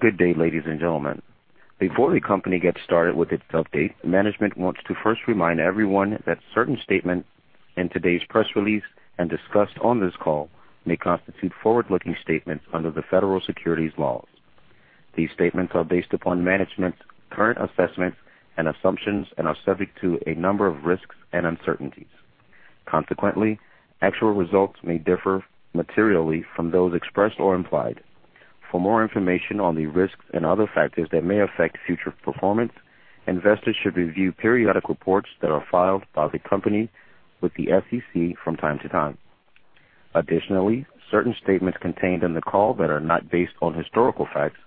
Good day, ladies and gentlemen. Before the company gets started with its update, management wants to first remind everyone that certain statements in today's press release and discussed on this call may constitute forward-looking statements under the federal securities laws. These statements are based upon management's current assessments and assumptions and are subject to a number of risks and uncertainties. Consequently, actual results may differ materially from those expressed or implied. For more information on the risks and other factors that may affect future performance, investors should review periodic reports that are filed by the company with the SEC from time to time. Additionally, certain statements contained in the call that are not based on historical facts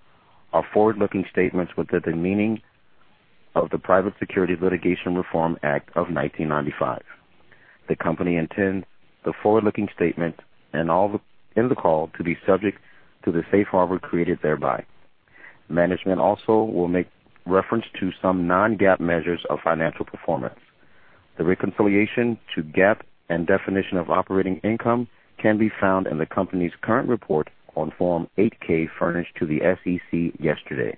are forward-looking statements within the meaning of the Private Securities Litigation Reform Act of 1995. The company intends the forward-looking statements in the call to be subject to the safe harbor created thereby. Management also will make reference to some non-GAAP measures of financial performance. The reconciliation to GAAP and definition of operating income can be found in the company's current report on Form 8-K furnished to the SEC yesterday,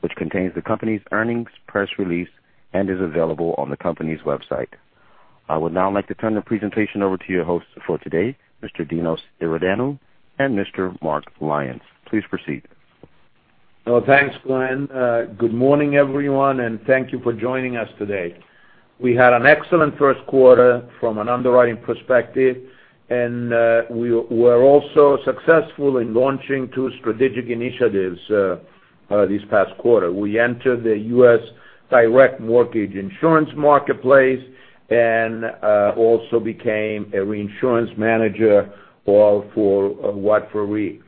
which contains the company's earnings press release and is available on the company's website. I would now like to turn the presentation over to your hosts for today, Mr. Dinos Iordanou and Mr. Mark Lyons. Please proceed. Thanks, Glenn. Good morning, everyone, and thank you for joining us today. We had an excellent first quarter from an underwriting perspective, and we were also successful in launching two strategic initiatives this past quarter. We entered the U.S. direct mortgage insurance marketplace and also became a reinsurance manager for Watford Re.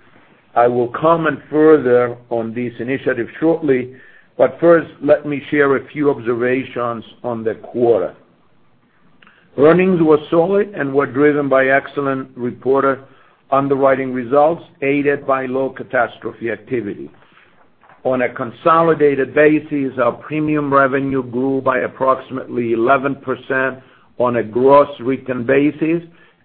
I will comment further on this initiative shortly, but first, let me share a few observations on the quarter. Earnings were solid and were driven by excellent reported underwriting results, aided by low catastrophe activity. On a consolidated basis, our premium revenue grew by approximately 11% on a gross written basis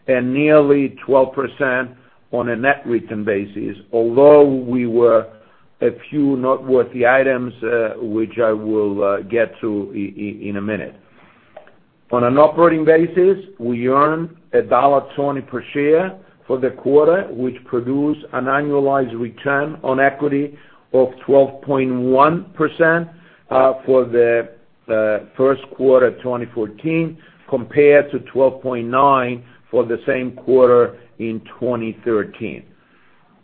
and nearly 12% on a net written basis, although we were a few noteworthy items, which I will get to in a minute. On an operating basis, we earned $1.20 per share for the quarter, which produced an annualized return on equity of 12.1% for the first quarter 2014, compared to 12.9% for the same quarter in 2013.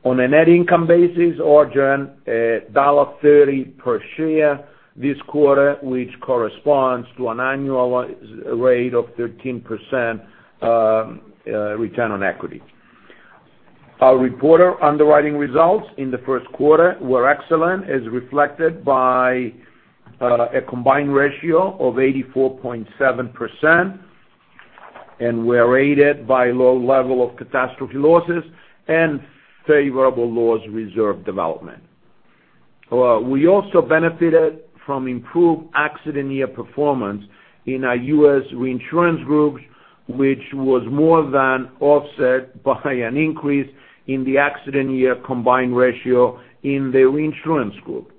On a net income basis, earned $1.30 per share this quarter, which corresponds to an annualized rate of 13% return on equity. Our reported underwriting results in the first quarter were excellent, as reflected by a combined ratio of 84.7%, and were aided by low level of catastrophe losses and favorable loss reserve development. We also benefited from improved accident year performance in our U.S. reinsurance group, which was more than offset by an increase in the accident year combined ratio in the reinsurance group.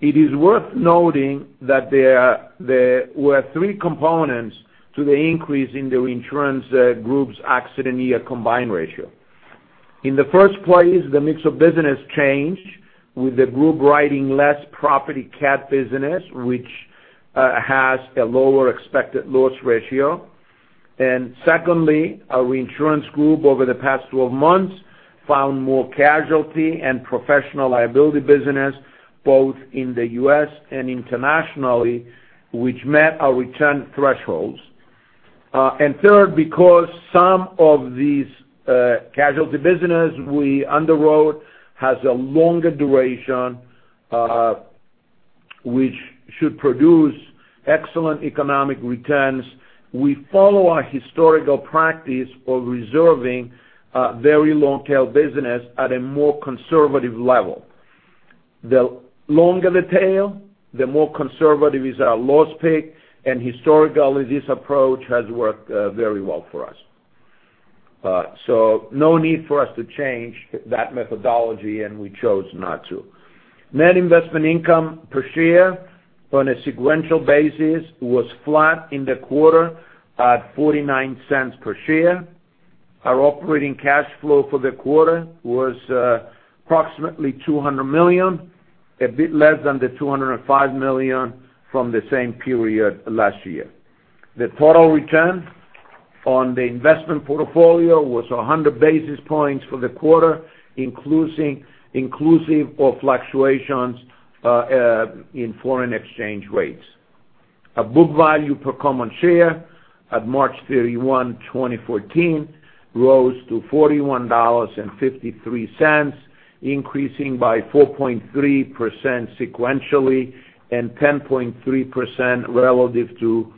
It is worth noting that there were three components to the increase in the reinsurance group's accident year combined ratio. In the first place, the mix of business changed, with the group writing less property cat business, which has a lower expected loss ratio. Secondly, our reinsurance group, over the past 12 months, found more casualty and professional liability business, both in the U.S. and internationally, which met our return thresholds. Thirdly, because some of these casualty business we underwrote has a longer duration, which should produce excellent economic returns, we follow our historical practice of reserving very long-tail business at a more conservative level. The longer the tail, the more conservative is our loss pick, and historically, this approach has worked very well for us. No need for us to change that methodology, and we chose not to. Net investment income per share on a sequential basis was flat in the quarter at $0.49 per share. Our operating cash flow for the quarter was approximately $200 million, a bit less than the $205 million from the same period last year. The total return on the investment portfolio was 100 basis points for the quarter, inclusive of fluctuations in foreign exchange rates. Our book value per common share at March 31, 2014, rose to $41.53, increasing by 4.3% sequentially and 10.3% relative to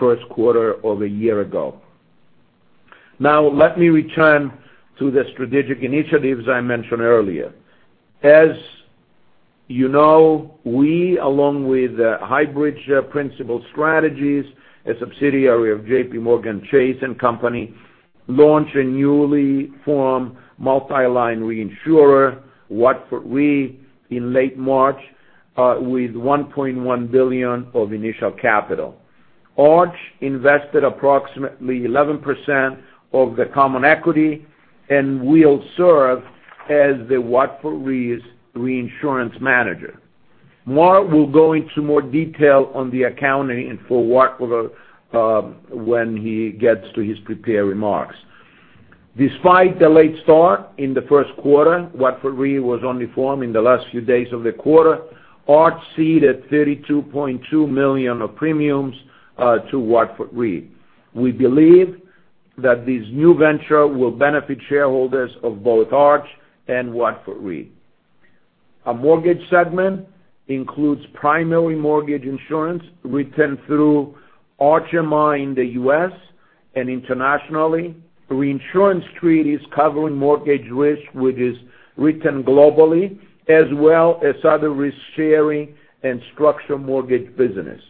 first quarter of a year ago. Let me return to the strategic initiatives I mentioned earlier. As you know, we, along with the Highbridge Principal Strategies, a subsidiary of JPMorgan Chase & Co., launched a newly formed multi-line reinsurer, Watford Re, in late March, with $1.1 billion of initial capital. Arch invested approximately 11% of the common equity and will serve as the Watford Re's reinsurance manager. Mark will go into more detail on the accounting for Watford when he gets to his prepared remarks. Despite the late start in the first quarter, Watford Re was only formed in the last few days of the quarter, Arch ceded $32.2 million of premiums to Watford Re. We believe that this new venture will benefit shareholders of both Arch and Watford Re. Our mortgage segment includes primary mortgage insurance written through Arch MI in the U.S. and internationally, reinsurance treaties covering mortgage risk, which is written globally, as well as other risk-sharing and structured mortgage business.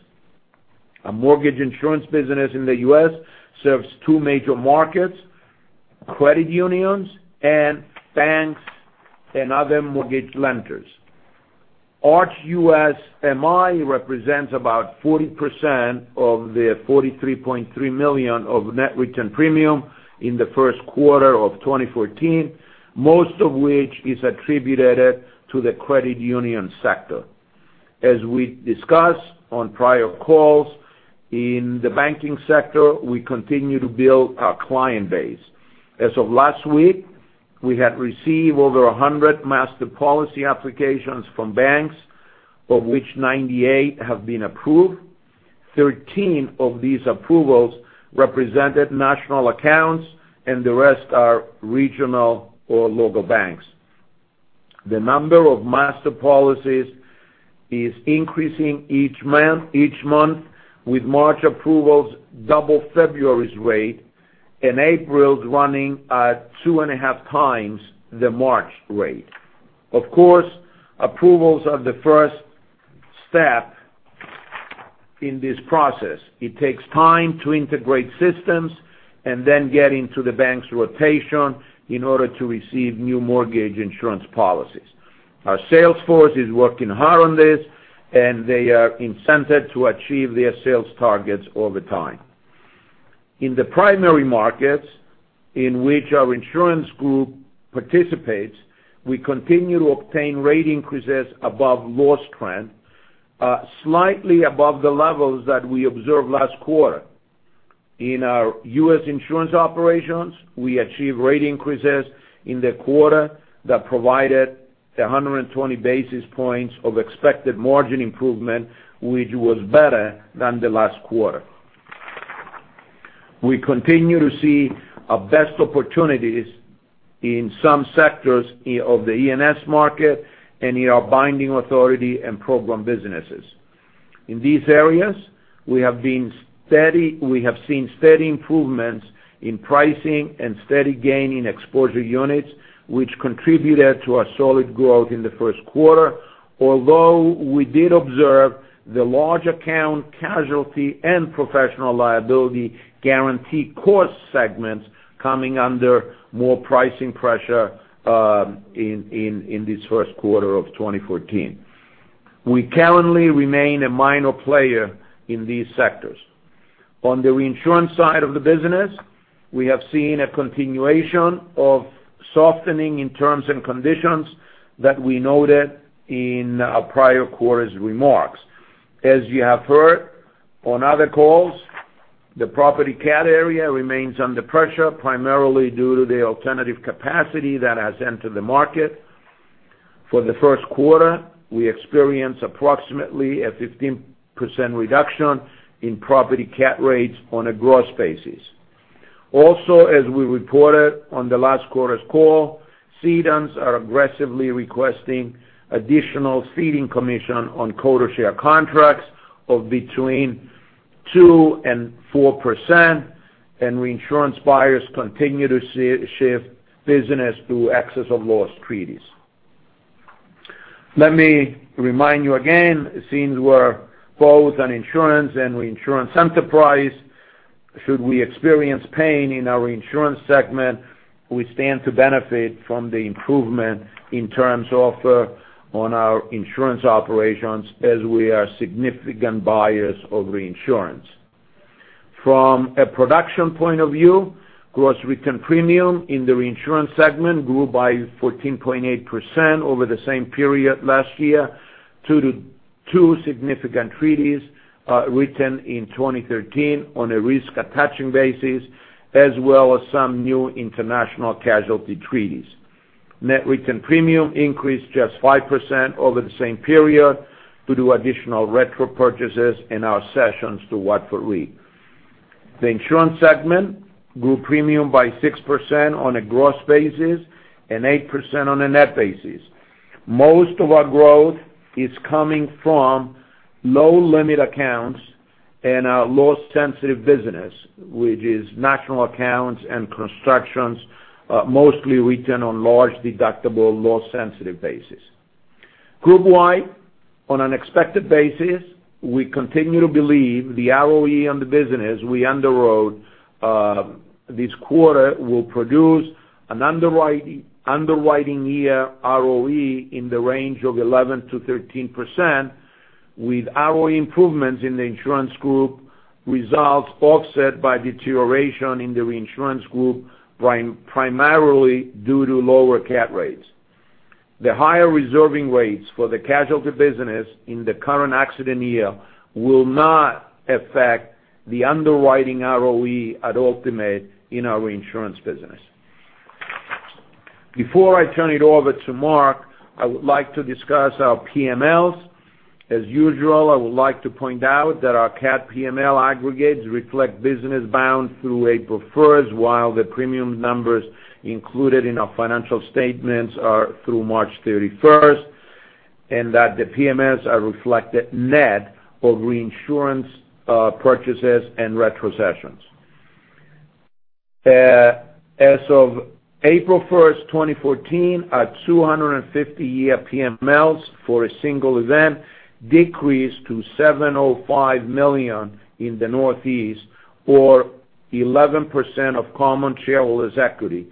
Our mortgage insurance business in the U.S. serves two major markets, credit unions and banks, and other mortgage lenders. Arch US MI represents about 40% of the $43.3 million of net written premium in the first quarter of 2014, most of which is attributed to the credit union sector. As we discussed on prior calls, in the banking sector, we continue to build our client base. As of last week, we had received over 100 master policy applications from banks, of which 98 have been approved. 13 of these approvals represented national accounts, and the rest are regional or local banks. The number of master policies is increasing each month, with March approvals double February's rate, and April's running at two and a half times the March rate. Of course, approvals are the first step in this process. It takes time to integrate systems and then get into the bank's rotation in order to receive new mortgage insurance policies. Our sales force is working hard on this, and they are incented to achieve their sales targets over time. In the primary markets in which our insurance group participates, we continue to obtain rate increases above loss trend, slightly above the levels that we observed last quarter. In our U.S. insurance operations, we achieved rate increases in the quarter that provided 120 basis points of expected margin improvement, which was better than the last quarter. We continue to see our best opportunities in some sectors of the E&S market and in our binding authority and program businesses. In these areas, we have seen steady improvements in pricing and steady gain in exposure units, which contributed to our solid growth in the first quarter. Although we did observe the large account casualty and professional liability guarantee cost segments coming under more pricing pressure in this first quarter of 2014. We currently remain a minor player in these sectors. The reinsurance side of the business, we have seen a continuation of softening in terms and conditions that we noted in our prior quarter's remarks. As you have heard on other calls, the property cat area remains under pressure, primarily due to the alternative capacity that has entered the market. For the first quarter, we experienced approximately a 15% reduction in property cat rates on a gross basis. As we reported on the last quarter's call, cedents are aggressively requesting additional ceding commission on quota share contracts of between 2%-4%, and reinsurance buyers continue to shift business through excess of loss treaties. Let me remind you again, since we're both an insurance and reinsurance enterprise, should we experience pain in our insurance segment, we stand to benefit from the improvement in terms of on our insurance operations as we are significant buyers of reinsurance. From a production point of view, gross written premium in the reinsurance segment grew by 14.8% over the same period last year due to two significant treaties written in 2013 on a risk attaching basis, as well as some new international casualty treaties. Net written premium increased just 5% over the same period due to additional retro purchases and our sessions to Watford Re. The insurance segment grew premium by 6% on a gross basis and 8% on a net basis. Most of our growth is coming from low-limit accounts. In our loss-sensitive business, which is National Accounts and Construction, mostly written on large deductible loss sensitive basis. Group-wide on an expected basis, we continue to believe the ROE on the business we underwrote this quarter will produce an underwriting year ROE in the range of 11%-13% with ROE improvements in the insurance group results offset by deterioration in the reinsurance group, primarily due to lower cat rates. The higher reserving rates for the casualty business in the current accident year will not affect the underwriting ROE at Ultimate in our reinsurance business. Before I turn it over to Mark, I would like to discuss our PMLs. As usual, I would like to point out that our cat PML aggregates reflect business bound through April 1st, while the premium numbers included in our financial statements are through March 31st, and that the PMLs are reflected net of reinsurance purchases and retrocessions. As of April 1st, 2014, our 250-year PMLs for a single event decreased to $705 million in the Northeast, or 11% of common shareholders' equity.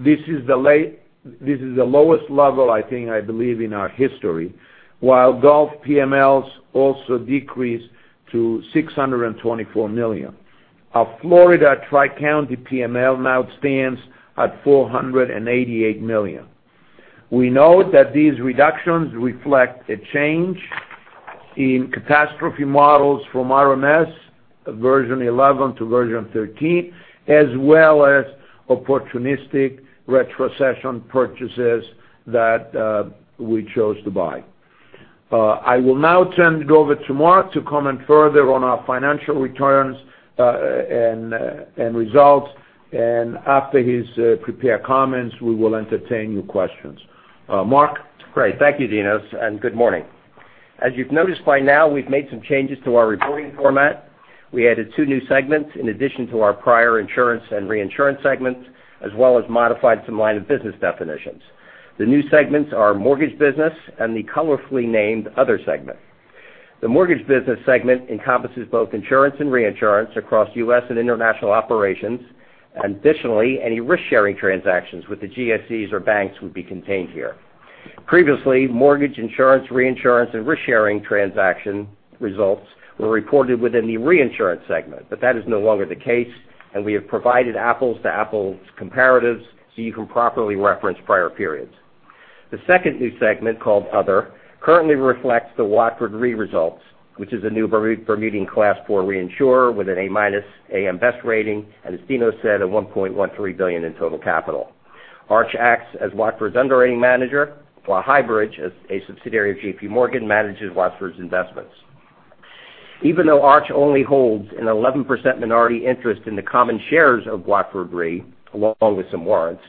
This is the lowest level, I think, I believe in our history. While Gulf PMLs also decreased to $624 million. Our Florida Tri-County PML now stands at $488 million. We note that these reductions reflect a change in catastrophe models from RMS Version 11 to Version 13, as well as opportunistic retrocession purchases that we chose to buy. I will now turn it over to Mark to comment further on our financial returns and results. After his prepared comments, we will entertain your questions. Mark? Great. Thank you, Dinos, and good morning. As you've noticed by now, we've made some changes to our reporting format. We added two new segments in addition to our prior insurance and reinsurance segments, as well as modified some line of business definitions. The new segments are mortgage business and the colorfully named other segment. The mortgage business segment encompasses both insurance and reinsurance across U.S. and international operations, and additionally, any risk-sharing transactions with the GSEs or banks would be contained here. Previously, mortgage insurance, reinsurance, and risk-sharing transaction results were reported within the reinsurance segment. That is no longer the case, and we have provided apples-to-apples comparatives so you can properly reference prior periods. The second new segment, called Other, currently reflects the Watford Re results, which is a new Bermudian Class 4 reinsurer with an A-minus AM Best rating, and as Dinos said, a $1.13 billion in total capital. Arch acts as Watford's underwriting manager, while Highbridge, a subsidiary of JPMorgan, manages Watford's investments. Even though Arch only holds an 11% minority interest in the common shares of Watford Re, along with some warrants,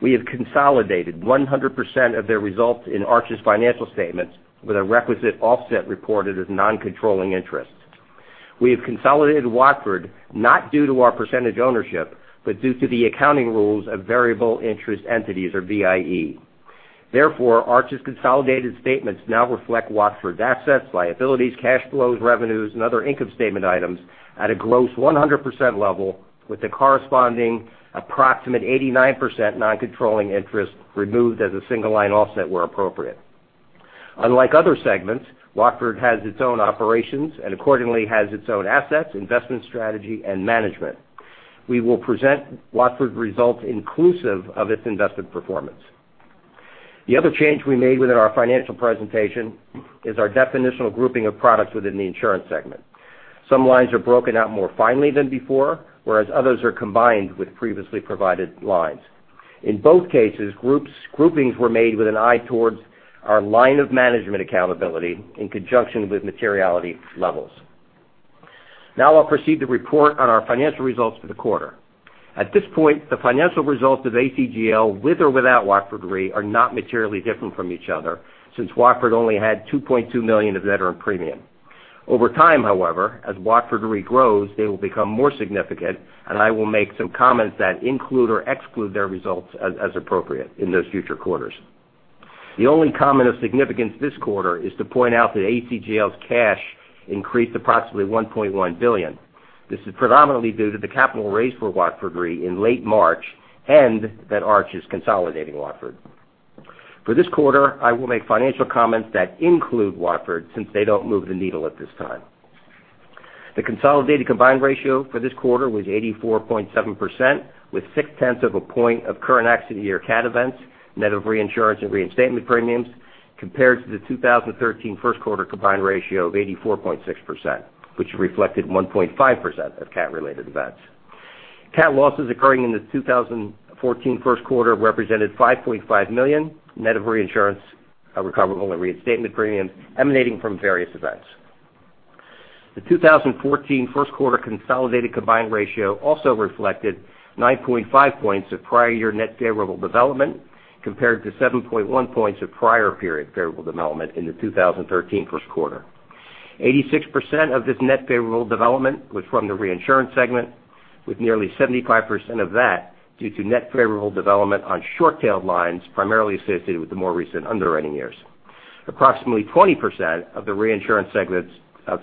we have consolidated 100% of their results in Arch's financial statements with a requisite offset reported as non-controlling interest. We have consolidated Watford not due to our percentage ownership, but due to the accounting rules of variable interest entities or VIE. Therefore, Arch's consolidated statements now reflect Watford's assets, liabilities, cash flows, revenues, and other income statement items at a gross 100% level, with the corresponding approximate 89% non-controlling interest removed as a single-line offset where appropriate. Unlike other segments, Watford has its own operations and accordingly has its own assets, investment strategy, and management. We will present Watford's results inclusive of its invested performance. The other change we made within our financial presentation is our definitional grouping of products within the insurance segment. Some lines are broken out more finely than before, whereas others are combined with previously provided lines. In both cases, groupings were made with an eye towards our line of management accountability in conjunction with materiality levels. Now I'll proceed to report on our financial results for the quarter. At this point, the financial results of ACGL, with or without Watford Re, are not materially different from each other, since Watford only had $2.2 million of net earned premium. Over time, however, as Watford Re grows, they will become more significant, and I will make some comments that include or exclude their results as appropriate in those future quarters. The only comment of significance this quarter is to point out that ACGL's cash increased approximately $1.1 billion. This is predominantly due to the capital raise for Watford Re in late March, and that Arch is consolidating Watford. For this quarter, I will make financial comments that include Watford, since they don't move the needle at this time. The consolidated combined ratio for this quarter was 84.7%, with six tenths of a point of current accident year cat events, net of reinsurance and reinstatement premiums, compared to the 2013 first quarter combined ratio of 84.6%, which reflected 1.5% of cat-related events. Cat losses occurring in the 2014 first quarter represented $5.5 million net of reinsurance, recoverable and reinstatement premiums emanating from various events. The 2014 first quarter consolidated combined ratio also reflected 9.5 points of prior year net favorable development. Compared to 7.1 points of prior period favorable development in the 2013 first quarter. 86% of this net favorable development was from the reinsurance segment, with nearly 75% of that due to net favorable development on short-tailed lines, primarily associated with the more recent underwriting years. Approximately 20% of the reinsurance segment's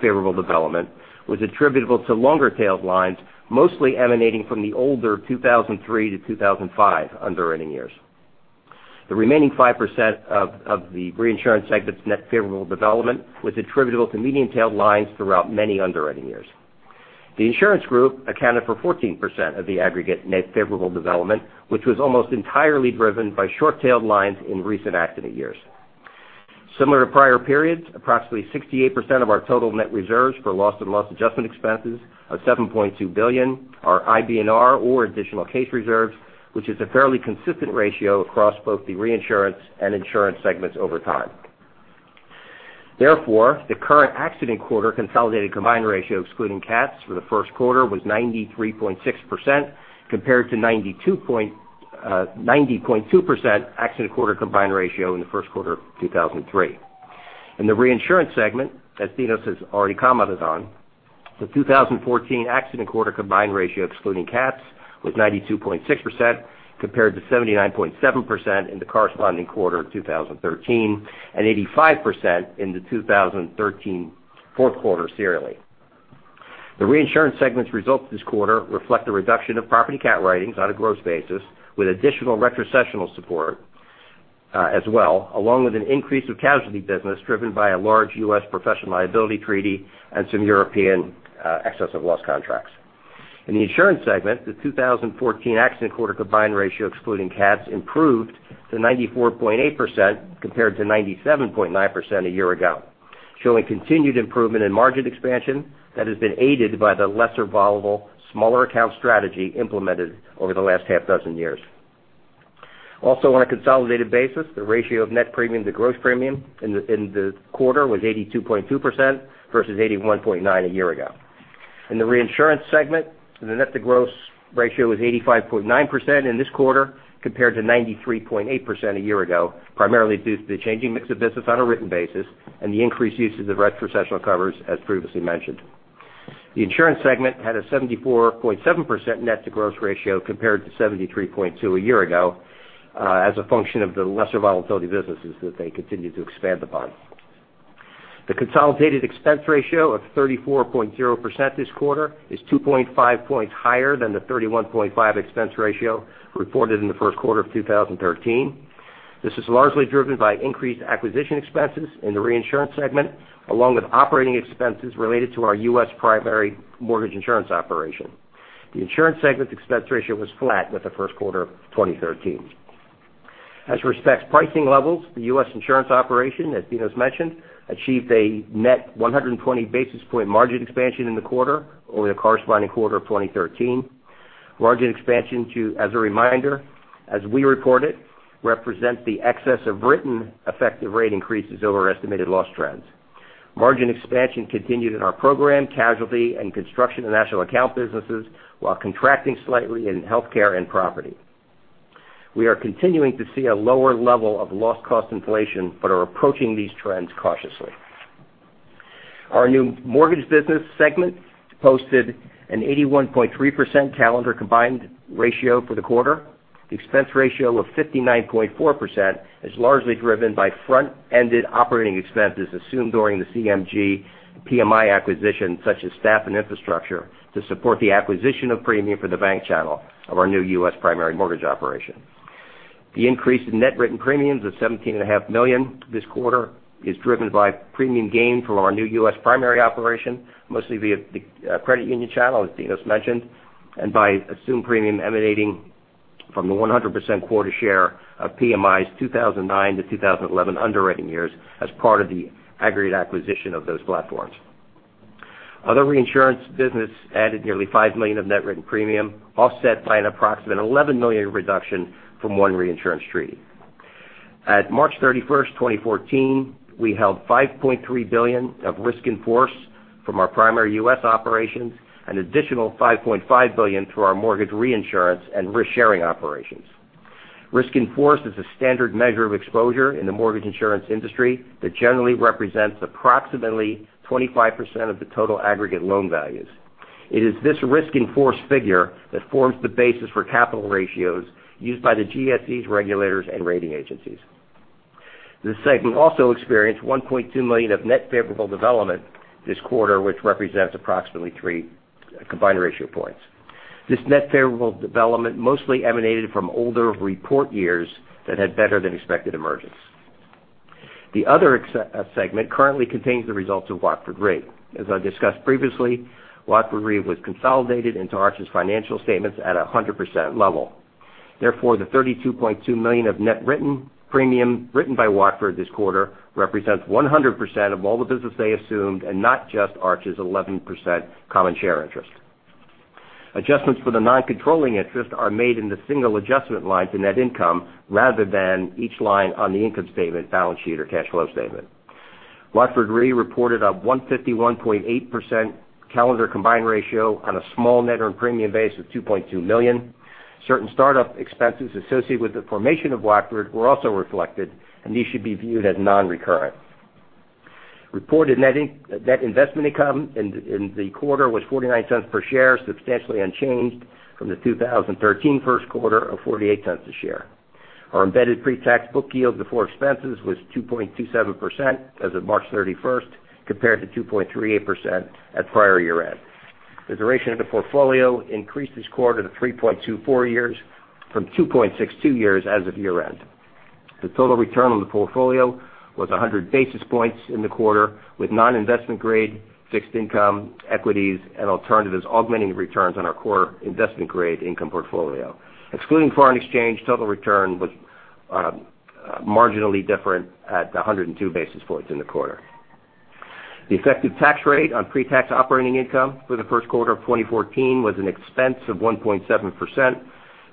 favorable development was attributable to longer-tailed lines, mostly emanating from the older 2003-2005 underwriting years. The remaining 5% of the reinsurance segment's net favorable development was attributable to medium-tailed lines throughout many underwriting years. The insurance group accounted for 14% of the aggregate net favorable development, which was almost entirely driven by short-tailed lines in recent accident years. Similar to prior periods, approximately 68% of our total net reserves for loss and loss adjustment expenses of $7.2 billion are IBNR or additional case reserves, which is a fairly consistent ratio across both the reinsurance and insurance segments over time. Therefore, the current accident quarter consolidated combined ratio, excluding cats, for the first quarter was 93.6%, compared to 90.2% accident quarter combined ratio in the first quarter of 2013. In the reinsurance segment, as Dinos has already commented on, the 2014 accident quarter combined ratio excluding cats was 92.6%, compared to 79.7% in the corresponding quarter of 2013, and 85% in the 2013 fourth quarter serially. The reinsurance segment's results this quarter reflect a reduction of property cat writings on a gross basis, with additional retrocessional support as well, along with an increase of casualty business driven by a large U.S. professional liability treaty and some European excess of loss contracts. In the insurance segment, the 2014 accident quarter combined ratio excluding cats improved to 94.8% compared to 97.9% a year ago, showing continued improvement in margin expansion that has been aided by the lesser volatile, smaller account strategy implemented over the last half dozen years. Also on a consolidated basis, the ratio of net premium to gross premium in the quarter was 82.2% versus 81.9% a year ago. In the reinsurance segment, the net to gross ratio was 85.9% in this quarter, compared to 93.8% a year ago, primarily due to the changing mix of business on a written basis and the increased uses of retrocessional covers as previously mentioned. The insurance segment had a 74.7% net to gross ratio compared to 73.2% a year ago, as a function of the lesser volatility businesses that they continue to expand upon. The consolidated expense ratio of 34.0% this quarter is 2.5 points higher than the 31.5% expense ratio reported in the first quarter of 2013. This is largely driven by increased acquisition expenses in the reinsurance segment, along with operating expenses related to our U.S. primary mortgage insurance operation. The insurance segment expense ratio was flat with the first quarter of 2013. As respects pricing levels, the U.S. insurance operation, as Dinos mentioned, achieved a net 120 basis point margin expansion in the quarter over the corresponding quarter of 2013. Margin expansion to, as a reminder, as we report it, represents the excess of written effective rate increases over estimated loss trends. Margin expansion continued in our program, casualty, and construction and national account businesses, while contracting slightly in healthcare and property. We are continuing to see a lower level of loss cost inflation but are approaching these trends cautiously. Our new mortgage business segment posted an 81.3% calendar combined ratio for the quarter. The expense ratio of 59.4% is largely driven by front-ended operating expenses assumed during the PMI acquisition, such as staff and infrastructure, to support the acquisition of premium for the bank channel of our new U.S. primary mortgage operation. The increase in net written premiums of $17.5 million this quarter is driven by premium gain from our new U.S. primary operation, mostly via the credit union channel, as Dinos mentioned, and by assumed premium emanating from the 100% quota share of PMI's 2009 to 2011 underwriting years as part of the aggregate acquisition of those platforms. Other reinsurance business added nearly $5 million of net written premium, offset by an approximate $11 million reduction from one reinsurance treaty. At March 31st, 2014, we held $5.3 billion of risk in force from our primary U.S. operations, an additional $5.5 billion through our mortgage reinsurance and risk-sharing operations. Risk in force is a standard measure of exposure in the mortgage insurance industry that generally represents approximately 25% of the total aggregate loan values. It is this risk in force figure that forms the basis for capital ratios used by the GSEs regulators and rating agencies. This segment also experienced $1.2 million of net favorable development this quarter, which represents approximately three combined ratio points. This net favorable development mostly emanated from older report years that had better than expected emergence. The other segment currently contains the results of Watford Re. As I discussed previously, Watford Re was consolidated into Arch's financial statements at 100% level. Therefore, the $32.2 million of net written premium written by Watford this quarter represents 100% of all the business they assumed and not just Arch's 11% common share interest. Adjustments for the non-controlling interest are made in the single adjustment line to net income rather than each line on the income statement, balance sheet or cash flow statement. Watford Re reported a 151.8% calendar combined ratio on a small net earned premium base of $2.2 million. Certain startup expenses associated with the formation of Watford were also reflected. These should be viewed as non-recurrent. Reported net investment income in the quarter was $0.49 per share, substantially unchanged from the 2013 first quarter of $0.48 a share. Our embedded pre-tax book yield before expenses was 2.27% as of March 31st, compared to 2.38% at prior year-end. The duration of the portfolio increased this quarter to 3.24 years, from 2.62 years as of year-end. The total return on the portfolio was 100 basis points in the quarter, with non-investment grade, fixed income, equities, and alternatives augmenting the returns on our core investment grade income portfolio. Excluding foreign exchange, total return was marginally different at 102 basis points in the quarter. The effective tax rate on pre-tax operating income for the first quarter of 2014 was an expense of 1.7%,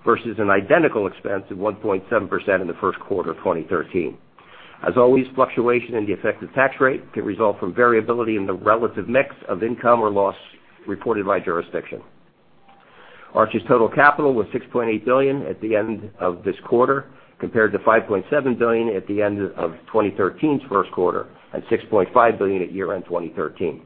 versus an identical expense of 1.7% in the first quarter of 2013. As always, fluctuation in the effective tax rate can result from variability in the relative mix of income or loss reported by jurisdiction. Arch's total capital was $6.8 billion at the end of this quarter, compared to $5.7 billion at the end of 2013's first quarter and $6.5 billion at year-end 2013.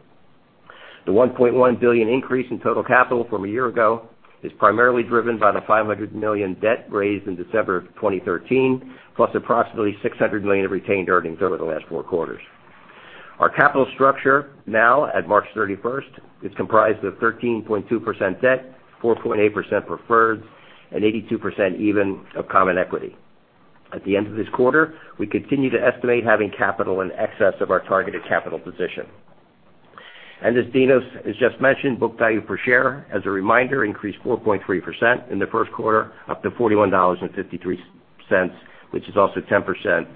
The $1.1 billion increase in total capital from a year ago is primarily driven by the $500 million debt raised in December of 2013, plus approximately $600 million of retained earnings over the last four quarters. Our capital structure now at March 31st is comprised of 13.2% debt, 4.8% preferred, and 82% even of common equity. At the end of this quarter, we continue to estimate having capital in excess of our targeted capital position. As Dinos has just mentioned, book value per share, as a reminder, increased 4.3% in the first quarter, up to $41.53, which is also 10.3%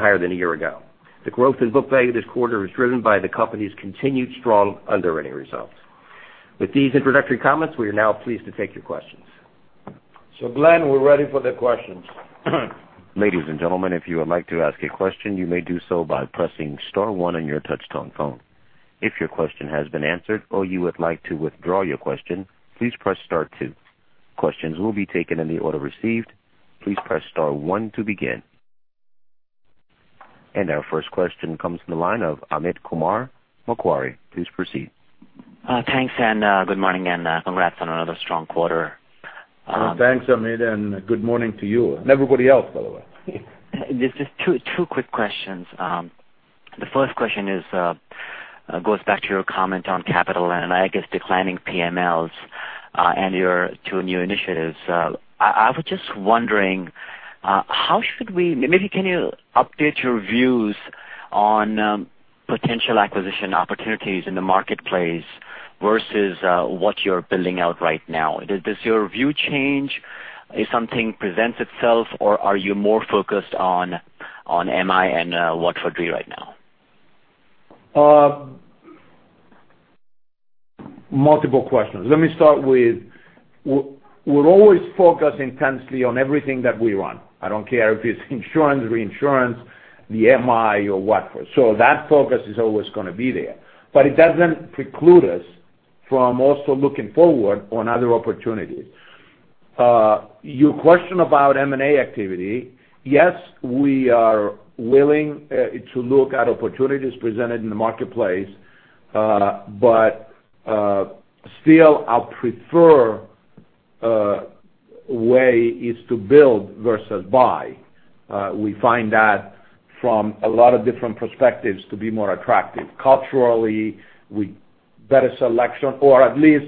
higher than a year ago. The growth in book value this quarter is driven by the company's continued strong underwriting results. With these introductory comments, we are now pleased to take your questions. Glenn, we're ready for the questions. Ladies and gentlemen, if you would like to ask a question, you may do so by pressing star 1 on your touchtone phone. If your question has been answered or you would like to withdraw your question, please press star 2. Questions will be taken in the order received. Please press star 1 to begin. Our first question comes from the line of Amit Kumar, Macquarie. Please proceed. Thanks, good morning, and congrats on another strong quarter. Thanks, Amit, good morning to you and everybody else, by the way. Just two quick questions. The first question goes back to your comment on capital and I guess declining PMLs and your two new initiatives. I was just wondering, maybe can you update your views on potential acquisition opportunities in the marketplace versus what you're building out right now? Does your view change if something presents itself, or are you more focused on MI and Watford Re right now? Multiple questions. Let me start with, we're always focused intensely on everything that we run. I don't care if it's insurance, reinsurance, the MI or Watford Re. That focus is always going to be there, but it doesn't preclude us from also looking forward on other opportunities. Your question about M&A activity, yes, we are willing to look at opportunities presented in the marketplace, but still our preferred way is to build versus buy. We find that from a lot of different perspectives to be more attractive. Culturally, better selection, or at least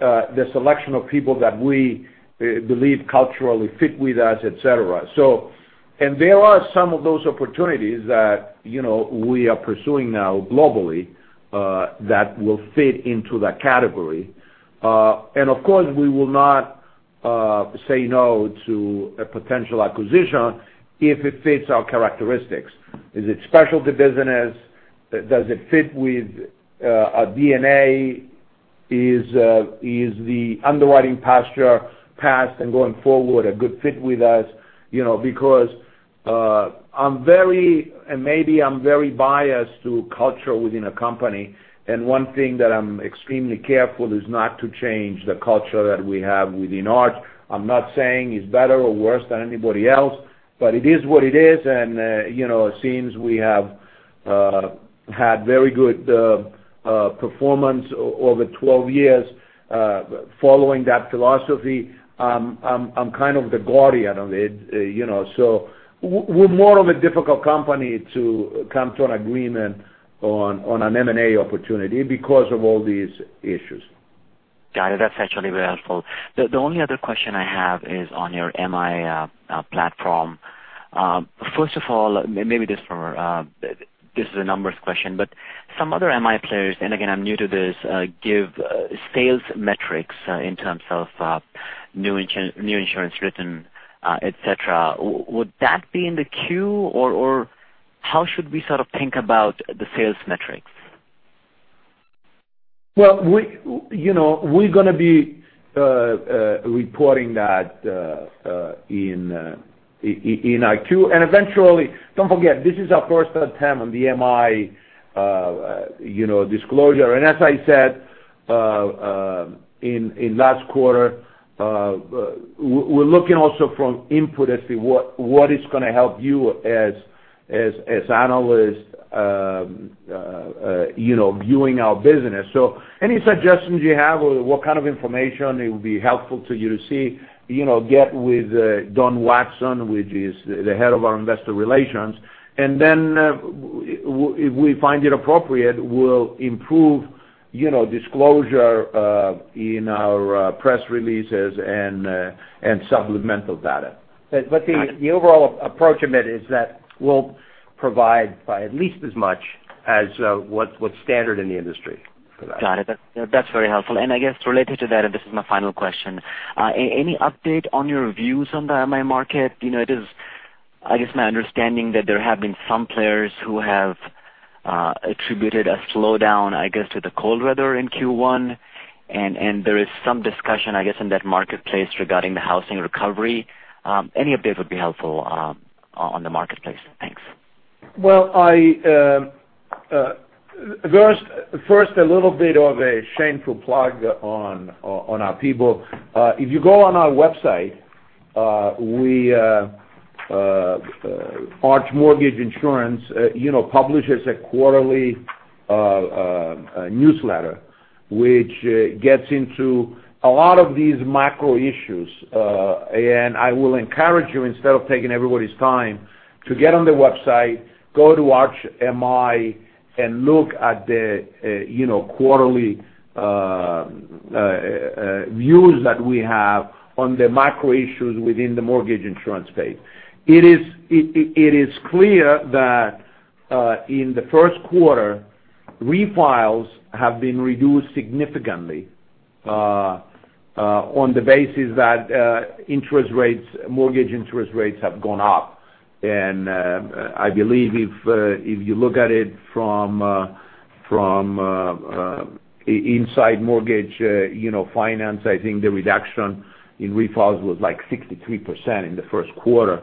the selection of people that we believe culturally fit with us, et cetera. There are some of those opportunities that we are pursuing now globally that will fit into that category. Of course, we will not say no to a potential acquisition if it fits our characteristics. Is it specialty business? Does it fit with our DNA? Is the underwriting posture past and going forward a good fit with us? Maybe I'm very biased to culture within a company, and one thing that I'm extremely careful is not to change the culture that we have within Arch. I'm not saying it's better or worse than anybody else, but it is what it is, and it seems we have had very good performance over 12 years following that philosophy. I'm kind of the guardian of it. We're more of a difficult company to come to an agreement on an M&A opportunity because of all these issues. Got it. That's actually very helpful. The only other question I have is on your MI platform. First of all, maybe this is a numbers question, but some other MI players, and again, I'm new to this, give sales metrics in terms of new insurance written, et cetera. Would that be in the Q, or how should we think about the sales metrics? Well, we're going to be reporting that in our Q. Eventually, don't forget, this is our first attempt on the MI disclosure. As I said in last quarter, we're looking also from input as to what is going to help you as analysts viewing our business. Any suggestions you have or what kind of information it would be helpful to you to see, get with Donald Watson, who is the head of our investor relations. Then, if we find it appropriate, we'll improve disclosure in our press releases and supplemental data. The overall approach of it is that we'll provide by at least as much as what's standard in the industry for that. Got it. That's very helpful. I guess related to that, and this is my final question, any update on your views on the MI market? It is, I guess, my understanding that there have been some players who have attributed a slowdown, I guess, to the cold weather in Q1. There is some discussion, I guess, in that marketplace regarding the housing recovery. Any update would be helpful on the marketplace. Thanks. Well, first, a little bit of a shameful plug on our people. If you go on our website, Arch Mortgage Insurance publishes a quarterly newsletter, which gets into a lot of these macro issues. I will encourage you, instead of taking everybody's time to get on the website, go to Arch MI, and look at the quarterly views that we have on the macro issues within the mortgage insurance space. It is clear that in the first quarter, refis have been reduced significantly on the basis that mortgage interest rates have gone up. I believe if you look at it from Inside Mortgage Finance, I think the reduction in refis was like 63% in the first quarter.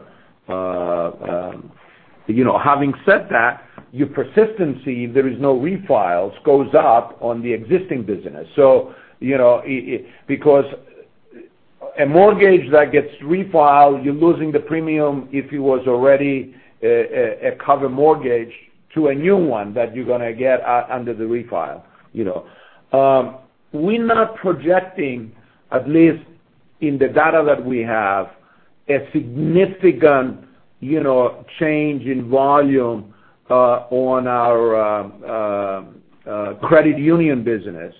Having said that, your persistency, there is no refis, goes up on the existing business. Because a mortgage that gets refied, you're losing the premium, if it was already a cover mortgage to a new one that you're going to get under the refi. We're not projecting, at least in the data that we have, a significant change in volume on our credit union business.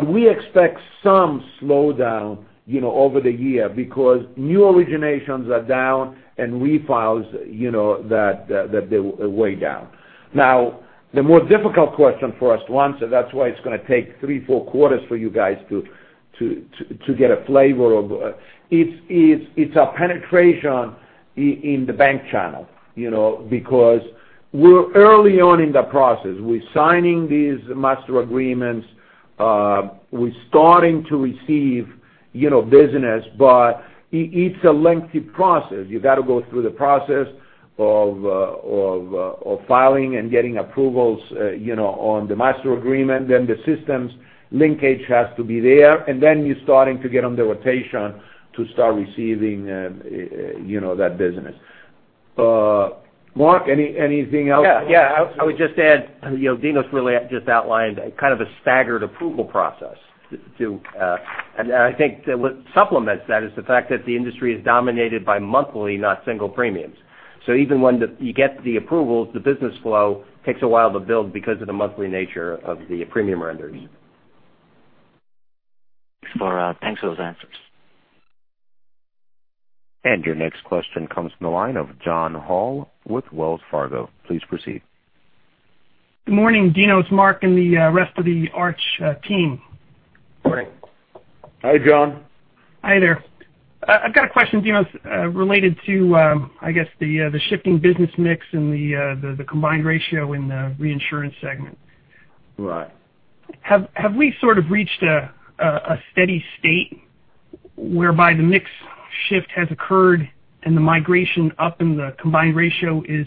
We expect some slowdown over the year because new originations are down and refis, they're way down. Now, the more difficult question for us, once, and that's why it's going to take three, four quarters for you guys to get a flavor of it's our penetration in the bank channel. Because we're early on in the process. We're signing these master agreements. We're starting to receive business, but it's a lengthy process. You've got to go through the process of filing and getting approvals on the master agreement. The systems linkage has to be there, and then you're starting to get on the rotation to start receiving that business. Mark, anything else? Yeah. I would just add, Dinos' really just outlined kind of a staggered approval process. I think what supplements that is the fact that the industry is dominated by monthly, not single premiums. Even when you get the approval, the business flow takes a while to build because of the monthly nature of the premium remittances. Thanks for those answers. Your next question comes from the line of John Hall with Wells Fargo. Please proceed. Good morning, Dinos, it's Mark and the rest of the Arch team. Morning. Hi, John. Hi there. I've got a question, Dinos, related to, I guess, the shifting business mix and the combined ratio in the reinsurance segment. Right. Have we sort of reached a steady state whereby the mix shift has occurred and the migration up in the combined ratio is,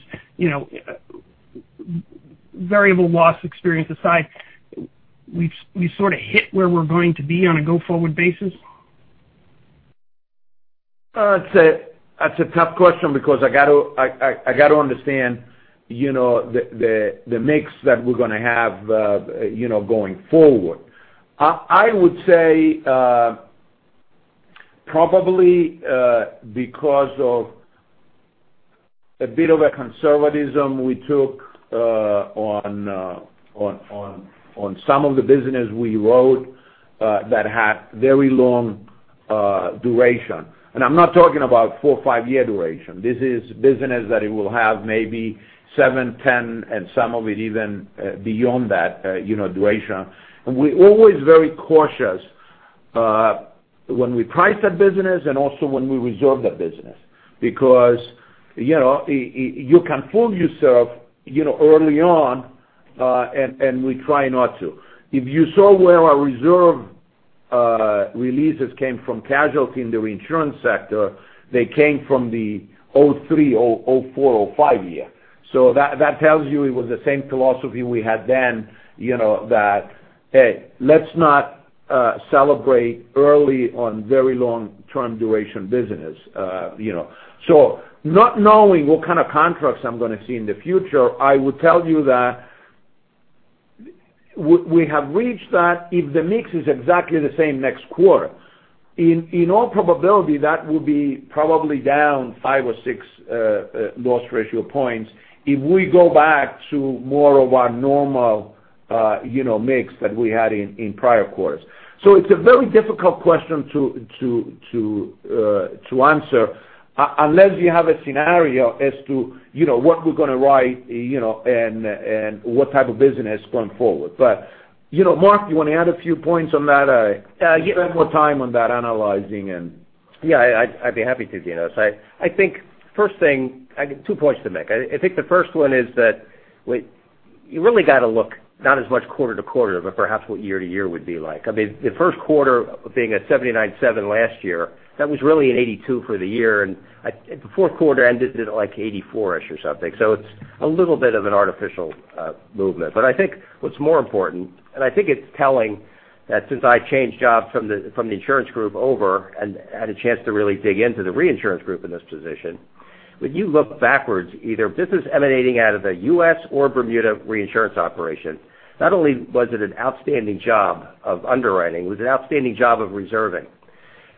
variable loss experience aside, we've sort of hit where we're going to be on a go-forward basis? That's a tough question because I got to understand the mix that we're going to have going forward. I would say probably because of a bit of a conservatism we took on some of the business we wrote that had very long duration. I'm not talking about four or five-year duration. This is business that it will have maybe seven, 10, and some of it even beyond that duration. We're always very cautious when we price that business and also when we reserve that business. You can fool yourself early on, and we try not to. If you saw where our reserve releases came from casualty in the reinsurance sector, they came from the 2003, 2004, 2005 year. That tells you it was the same philosophy we had then, that, hey, let's not celebrate early on very long-term duration business. Not knowing what kind of contracts I'm going to see in the future, I would tell you that we have reached that if the mix is exactly the same next quarter. In all probability, that will be probably down five or six loss ratio points if we go back to more of our normal mix that we had in prior quarters. It's a very difficult question to answer unless you have a scenario as to what we're going to write and what type of business going forward. Mark, you want to add a few points on that? You spent more time on that analyzing and. Yeah, I'd be happy to, Dino. I think first thing, two points to make. I think the first one is that you really got to look not as much quarter to quarter, but perhaps what year to year would be like. I mean, the first quarter being at 79.7% last year, that was really an 82% for the year, and the fourth quarter ended at like 84%-ish or something. It's a little bit of an artificial movement. I think what's more important, and I think it's telling that since I changed jobs from the insurance group over and had a chance to really dig into the reinsurance group in this position, when you look backwards, either business emanating out of the U.S. or Bermuda reinsurance operation, not only was it an outstanding job of underwriting, it was an outstanding job of reserving.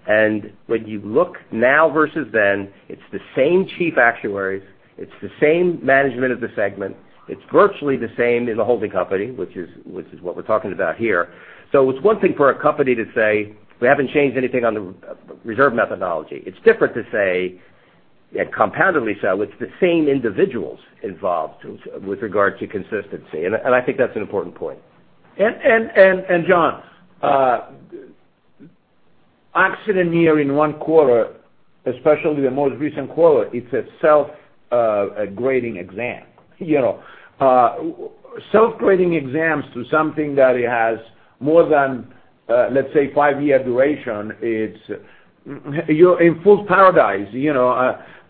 When you look now versus then, it's the same chief actuaries, it's the same management of the segment. It's virtually the same in the holding company, which is what we're talking about here. It's one thing for a company to say, "We haven't changed anything on the reserve methodology." It's different to say, and compoundedly so, it's the same individuals involved with regard to consistency. I think that's an important point. John, accident year in one quarter, especially the most recent quarter, it's a self-grading exam. Self-grading exams to something that it has more than, let's say, five-year duration, you're in fool's paradise.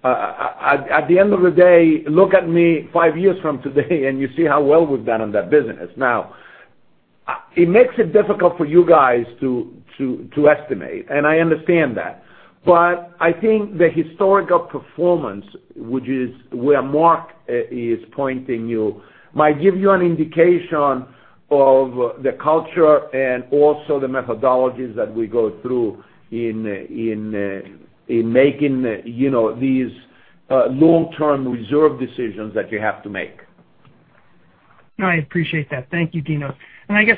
At the end of the day, look at me five years from today and you see how well we've done on that business. It makes it difficult for you guys to estimate, and I understand that. I think the historical performance, which is where Mark is pointing you, might give you an indication of the culture and also the methodologies that we go through in making these long-term reserve decisions that you have to make. No, I appreciate that. Thank you, Dino. I guess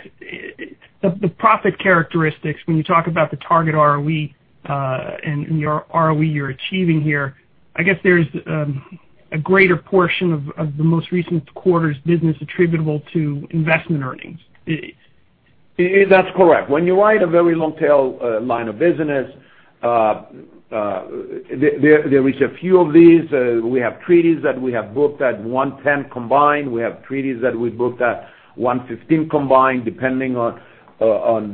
the profit characteristics, when you talk about the target ROE, and the ROE you're achieving here, I guess there's a greater portion of the most recent quarter's business attributable to investment earnings. That's correct. When you write a very long-tail line of business, there is a few of these. We have treaties that we have booked at 110 combined. We have treaties that we booked at 115 combined, depending on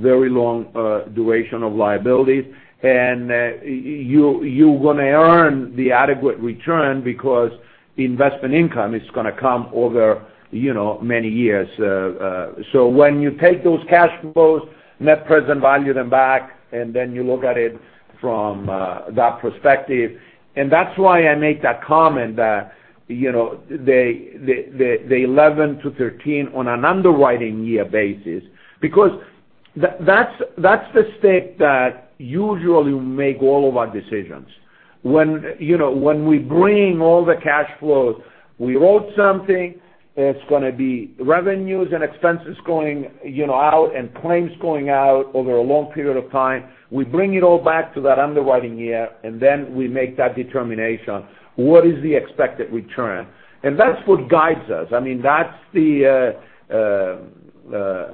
very long duration of liabilities. You're going to earn the adequate return because the investment income is going to come over many years. When you take those cash flows, net present value them back, and then you look at it from that perspective. That's why I made that comment that the 11-13 on an underwriting year basis, because that's the state that usually we make all of our decisions. When we bring all the cash flows, we wrote something, it's going to be revenues and expenses going out and claims going out over a long period of time. We bring it all back to that underwriting year, then we make that determination, what is the expected return? That's what guides us. I mean, that's been the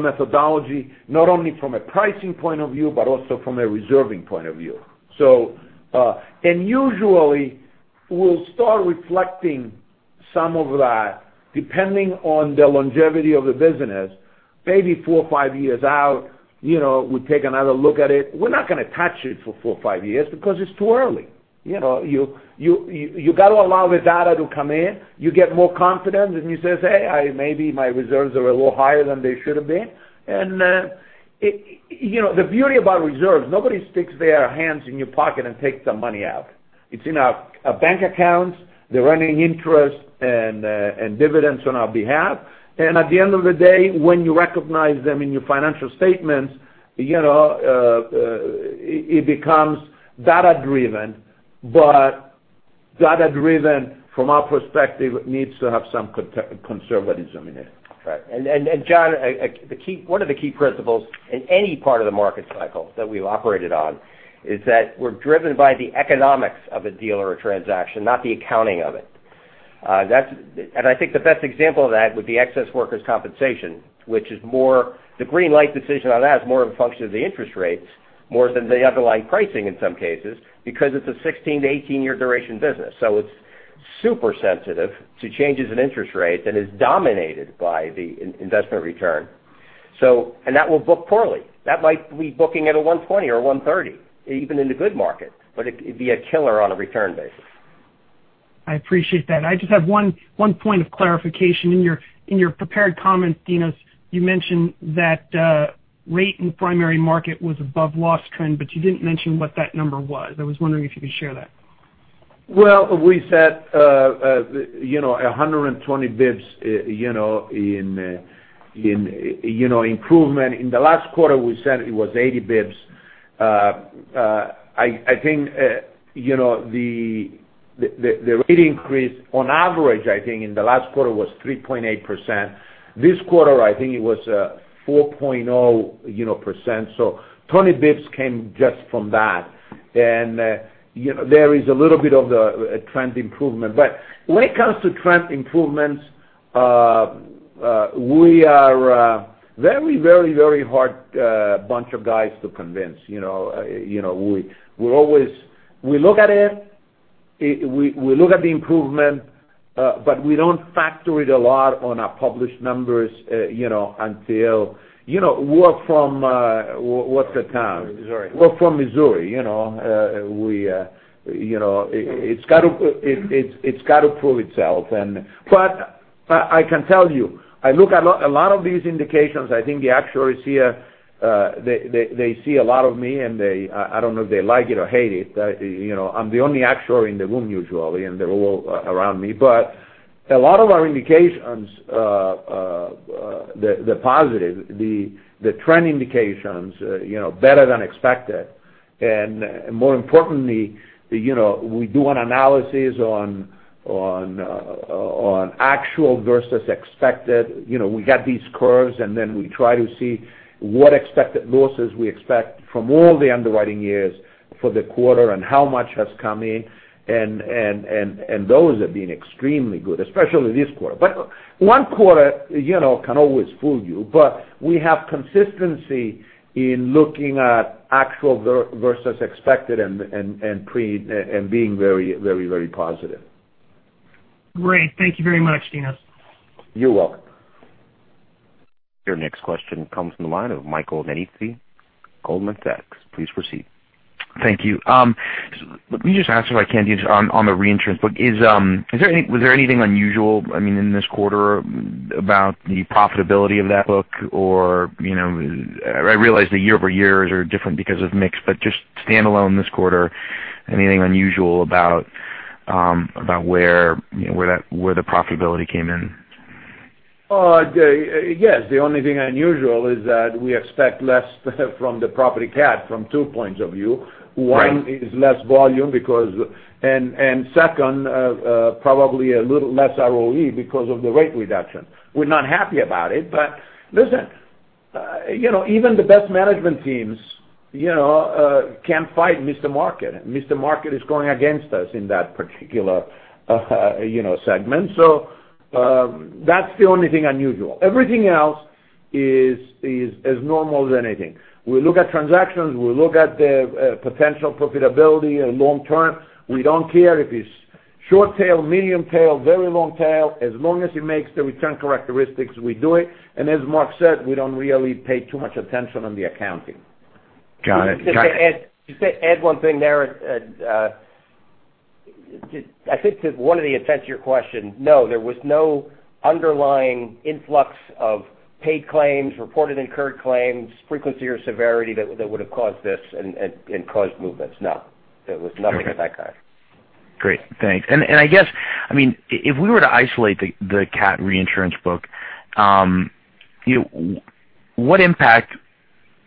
methodology, not only from a pricing point of view, but also from a reserving point of view. Usually, we'll start reflecting some of that depending on the longevity of the business. Maybe four or five years out, we take another look at it. We're not going to touch it for four or five years because it's too early. You got to allow the data to come in. You get more confident, and you say, "Hey, maybe my reserves are a little higher than they should have been." The beauty about reserves, nobody sticks their hands in your pocket and takes the money out. It's in a bank account. They're earning interest and dividends on our behalf. At the end of the day, when you recognize them in your financial statements, it becomes data-driven, but data-driven from our perspective needs to have some conservatism in it. Right. John, one of the key principles in any part of the market cycle that we've operated on is that we're driven by the economics of a deal or a transaction, not the accounting of it. I think the best example of that would be excess workers' compensation, which the green light decision on that is more of a function of the interest rates more than the underlying pricing in some cases, because it's a 16-18 year duration business. It's super sensitive to changes in interest rates and is dominated by the investment return. That will book poorly. That might be booking at a 120 or 130, even in a good market, but it'd be a killer on a return basis. I appreciate that. I just have one point of clarification. In your prepared comments, Dinos, you mentioned that rate in primary market was above loss trend, but you didn't mention what that number was. I was wondering if you could share that. Well, we said 120 basis points improvement. In the last quarter, we said it was 80 basis points. I think the rate increase on average, I think in the last quarter was 3.8%. This quarter, I think it was 4.0%. 20 basis points came just from that. There is a little bit of the trend improvement. When it comes to trend improvements, we are a very hard bunch of guys to convince. We look at it, we look at the improvement, but we don't factor it a lot on our published numbers until we're from, what's the town? Missouri. We're from Missouri. It's got to prove itself. I can tell you, I look at a lot of these indications. I think the actuaries see a lot of me, and I don't know if they like it or hate it. I'm the only actuary in the room usually, and they're all around me. A lot of our indications, the positive, the trend indications better than expected. More importantly, we do an analysis on actual versus expected. We got these curves. Then we try to see what expected losses we expect from all the underwriting years for the quarter and how much has come in. Those have been extremely good, especially this quarter. One quarter can always fool you, but we have consistency in looking at actual versus expected and being very positive. Great. Thank you very much, Dinos. You're welcome. Your next question comes from the line of Michael Nannizzi, Goldman Sachs. Please proceed. Thank you. Let me just ask if I can, on the reinsurance book. Was there anything unusual in this quarter about the profitability of that book or, I realize the year-over-year are different because of mix, but just standalone this quarter, anything unusual about where the profitability came in? Yes. The only thing unusual is that we expect less from the property cat from two points of view. Right. One is less volume, and second, probably a little less ROE because of the rate reduction. We're not happy about it. Listen, even the best management teams can't fight Mr. Market. Mr. Market is going against us in that particular segment. That's the only thing unusual. Everything else is as normal as anything. We look at transactions, we look at the potential profitability long-term. We don't care if it's short tail, medium tail, very long tail. As long as it makes the return characteristics, we do it. As Mark said, we don't really pay too much attention on the accounting. Got it. To add one thing there. I think to one of the intent to your question, no, there was no underlying influx of paid claims, reported incurred claims, frequency or severity that would have caused this and caused movements. No, there was nothing of that kind. Great. Thanks. I guess, if we were to isolate the cat reinsurance book, what impact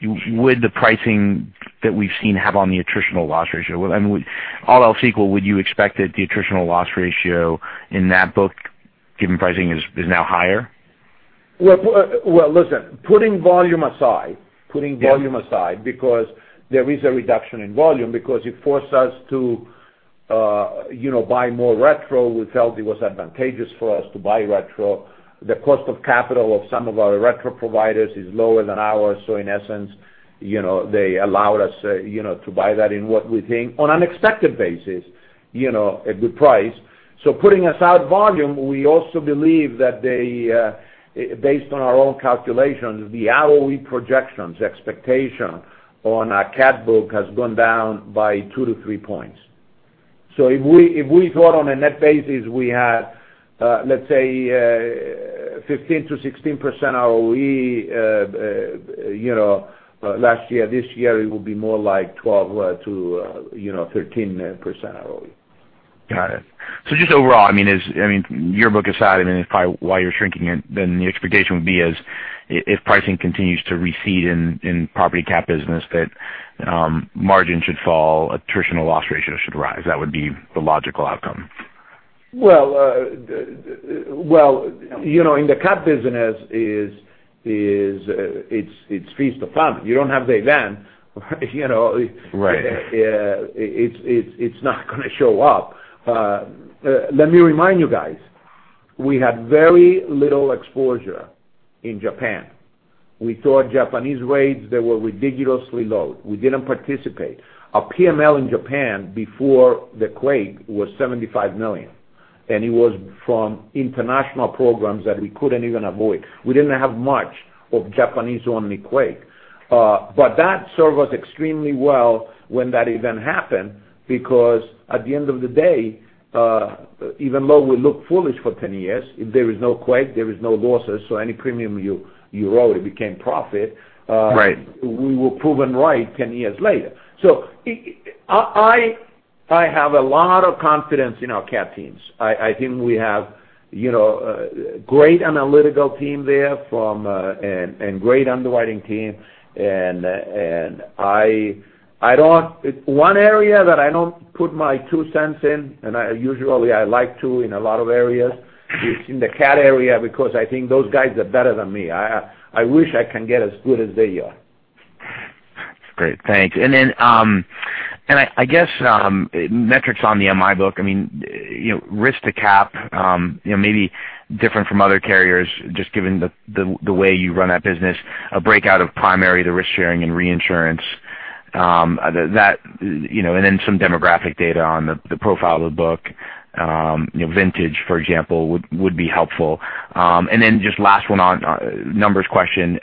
would the pricing that we've seen have on the attritional loss ratio? All else equal, would you expect that the attritional loss ratio in that book, given pricing, is now higher? Well, listen, putting volume aside. Yeah putting volume aside, because there is a reduction in volume because it forced us to buy more retro. We felt it was advantageous for us to buy retro. The cost of capital of some of our retro providers is lower than ours. In essence, they allowed us to buy that in what we think on unexpected basis, at good price. Putting aside volume, we also believe that based on our own calculations, the ROE projections expectation on our cat book has gone down by two to three points. If we thought on a net basis, we had let's say, 15%-16% ROE last year, this year, it will be more like 12%-13% ROE. Got it. Just overall, your book aside, why you're shrinking it, the expectation would be if pricing continues to recede in property cat business, that margin should fall, attritional loss ratio should rise. That would be the logical outcome. In the cat business it feeds the fund. You don't have the land. Right. It's not going to show up. Let me remind you guys. We had very little exposure in Japan. We thought Japanese rates, they were ridiculously low. We didn't participate. Our PML in Japan before the quake was $75 million, and it was from international programs that we couldn't even avoid. We didn't have much of Japanese-only quake. That served us extremely well when that event happened, because at the end of the day, even though we looked foolish for 10 years, if there is no quake, there is no losses, any premium you wrote became profit. Right. We were proven right 10 years later. I have a lot of confidence in our cat teams. I think we have a great analytical team there, and great underwriting team. One area that I don't put my two cents in, and usually I like to in a lot of areas, is in the cat area, because I think those guys are better than me. I wish I can get as good as they are. That's great. Thanks. I guess, metrics on the MI book, risk to cap, maybe different from other carriers just given the way you run that business, a breakout of primary to risk sharing and reinsurance. Then some demographic data on the profile of the book. Vintage, for example, would be helpful. Then just last one on numbers question.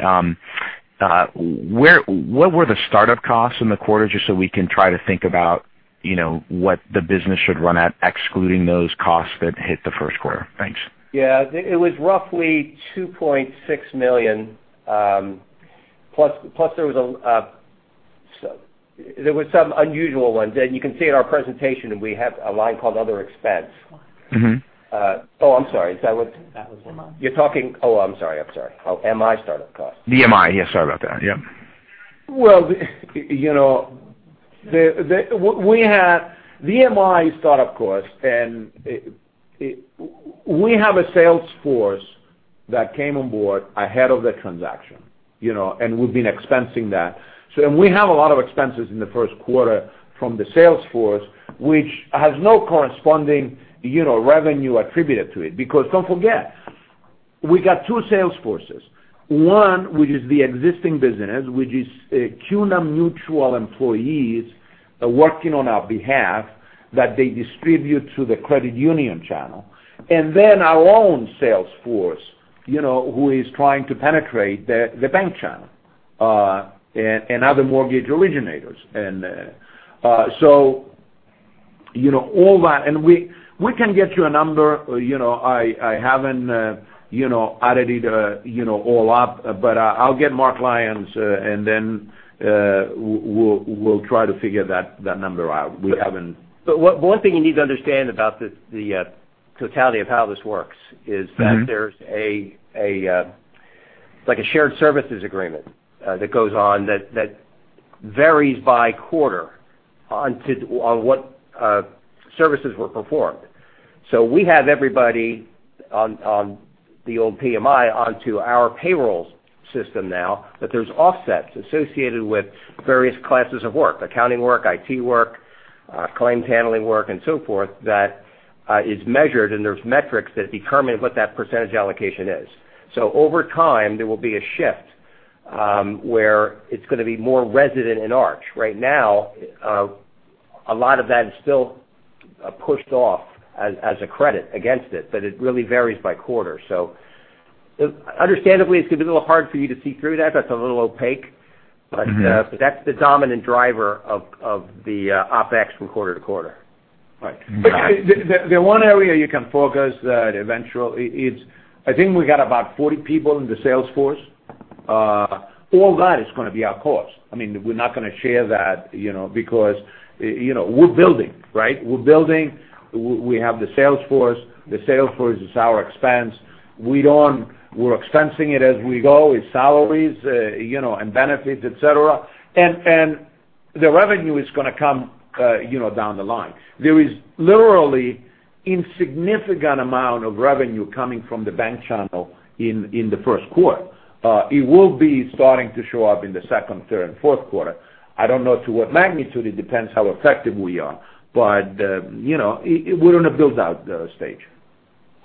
What were the startup costs in the quarter, just so we can try to think about what the business should run at excluding those costs that hit the first quarter? Thanks. Yeah. It was roughly $2.6 million. Plus there was some unusual ones. You can see in our presentation, we have a line called Other Expense. Oh, I'm sorry. Is that what? That was MI. You're talking. I'm sorry. MI startup costs. The MI. Yeah, sorry about that. Yeah. The MI startup cost, we have a sales force that came on board ahead of the transaction, and we've been expensing that. We have a lot of expenses in the first quarter from the sales force, which has no corresponding revenue attributed to it. Don't forget, we got two sales forces. One, which is the existing business, which is CUNA Mutual employees working on our behalf that they distribute through the credit union channel. Then our own sales force, who is trying to penetrate the bank channel, and other mortgage originators. All that. We can get you a number. I haven't added it all up. I'll get Mark Lyons, then we'll try to figure that number out. One thing you need to understand about the totality of how this works is that. there's like a shared services agreement that goes on that varies by quarter on what services were performed. We have everybody on the old PMI onto our payroll system now, there's offsets associated with various classes of work, accounting work, IT work, claims handling work, and so forth, that is measured, and there's metrics that determine what that percentage allocation is. Over time, there will be a shift, where it's going to be more resident in Arch. Right now, a lot of that is still pushed off as a credit against it really varies by quarter. Understandably, it's going to be a little hard for you to see through that. That's a little opaque. That's the dominant driver of the OpEx from quarter to quarter. Right. The one area you can focus that eventually is, I think we got about 40 people in the sales force. All that is going to be our cost. We're not going to share that because we're building, right? We're building. We have the sales force. The sales force is our expense. We're expensing it as we go. It's salaries, and benefits, et cetera. The revenue is going to come down the line. There is literally insignificant amount of revenue coming from the bank channel in the first quarter. It will be starting to show up in the second, third, fourth quarter. I don't know to what magnitude. It depends how effective we are. We're in a build-out stage.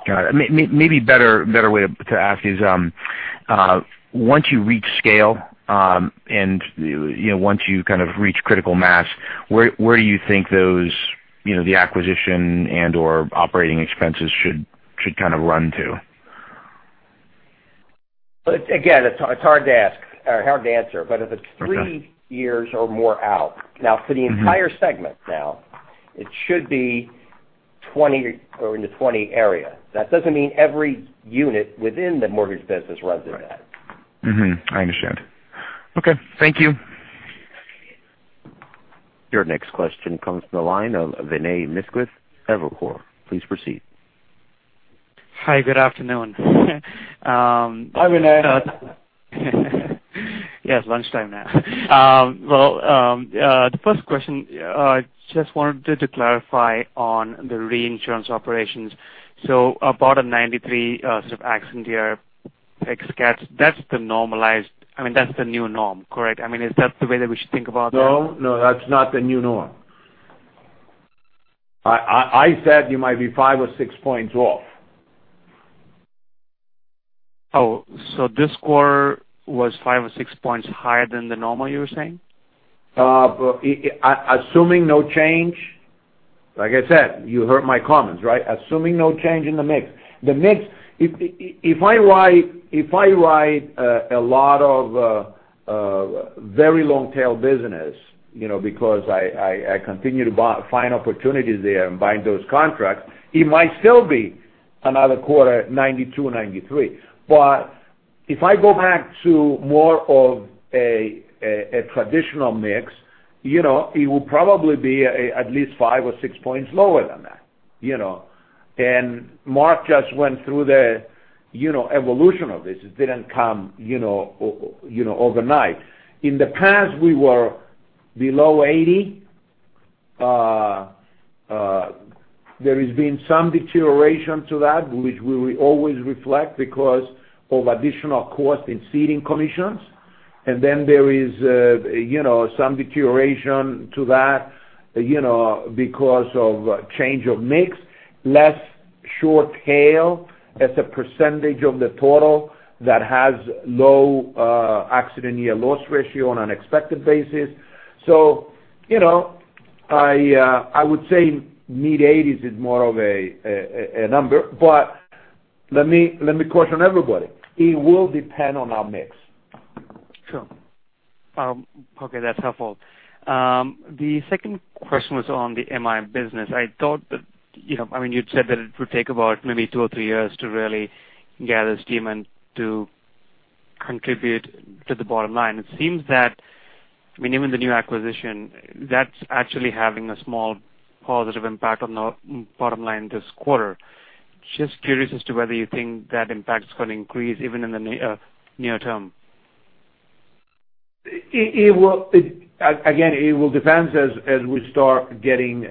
Got it. Maybe better way to ask is, once you reach scale, and once you kind of reach critical mass, where do you think the acquisition and/or operating expenses should kind of run to? It's hard to answer. If it's three years or more out, for the entire segment, it should be 20 or in the 20 area. That doesn't mean every unit within the mortgage business runs in that. Right. Mm-hmm. I understand. Okay. Thank you. Your next question comes from the line of Vinay Misquith, Evercore. Please proceed. Hi. Good afternoon. Hi, Vinay. Yeah, it's lunchtime now. Well, the first question, just wanted to clarify on the reinsurance operations. About a 93 sort of accident year ex cats, that's the normalized, I mean, that's the new norm, correct? I mean, is that the way that we should think about that? No, that's not the new norm I said you might be five or six points off. Oh, this quarter was five or six points higher than the normal, you were saying? Assuming no change. Like I said, you heard my comments, right? Assuming no change in the mix. If I write a lot of very long-tail business, because I continue to find opportunities there and bind those contracts, it might still be another quarter 92, 93. If I go back to more of a traditional mix, it will probably be at least 5 or 6 points lower than that. Mark just went through the evolution of this. It didn't come overnight. In the past, we were below 80. There has been some deterioration to that, which we will always reflect because of additional cost in ceding commissions. Then there is some deterioration to that because of change of mix, less short tail as a percentage of the total that has low accident year loss ratio on unexpected basis. I would say mid-80s is more of a number. Let me caution everybody. It will depend on our mix. Sure. Okay. That's helpful. The second question was on the MI business. You'd said that it would take about maybe 2 or 3 years to really gather steam and to contribute to the bottom line. It seems that even the new acquisition, that's actually having a small positive impact on the bottom line this quarter. Just curious as to whether you think that impact is going to increase even in the near term. Again, it will depend as we start getting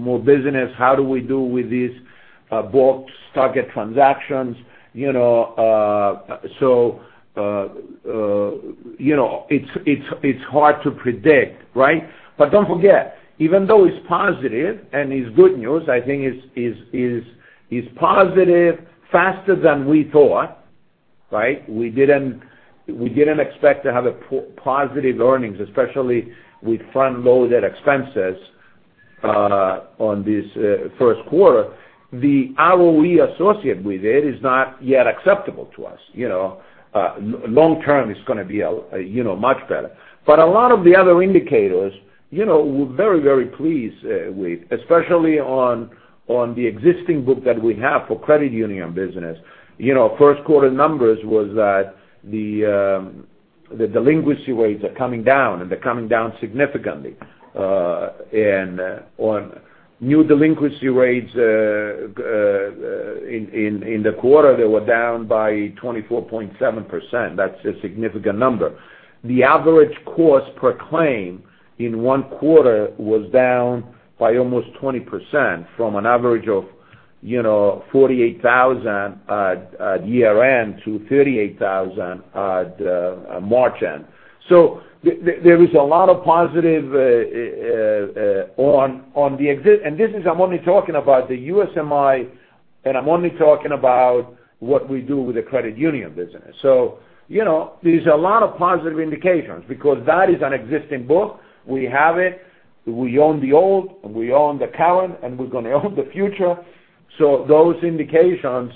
more business, how do we do with these books, target transactions. It's hard to predict, right? Don't forget, even though it's positive and it's good news, I think it's positive faster than we thought, right? We didn't expect to have positive earnings, especially with front-loaded expenses on this first quarter. The ROE associated with it is not yet acceptable to us. Long term, it's going to be much better. A lot of the other indicators, we're very, very pleased with, especially on the existing book that we have for credit union business. First quarter numbers was that the delinquency rates are coming down, and they're coming down significantly. On new delinquency rates in the quarter, they were down by 24.7%. That's a significant number. The average cost per claim in one quarter was down by almost 20% from an average of $48,000 at year-end to $38,000 at March end. There is a lot of positive. I'm only talking about the U.S. MI, I'm only talking about what we do with the credit union business. There's a lot of positive indications because that is an existing book. We have it. We own the old, we own the current, and we're going to own the future. Those indications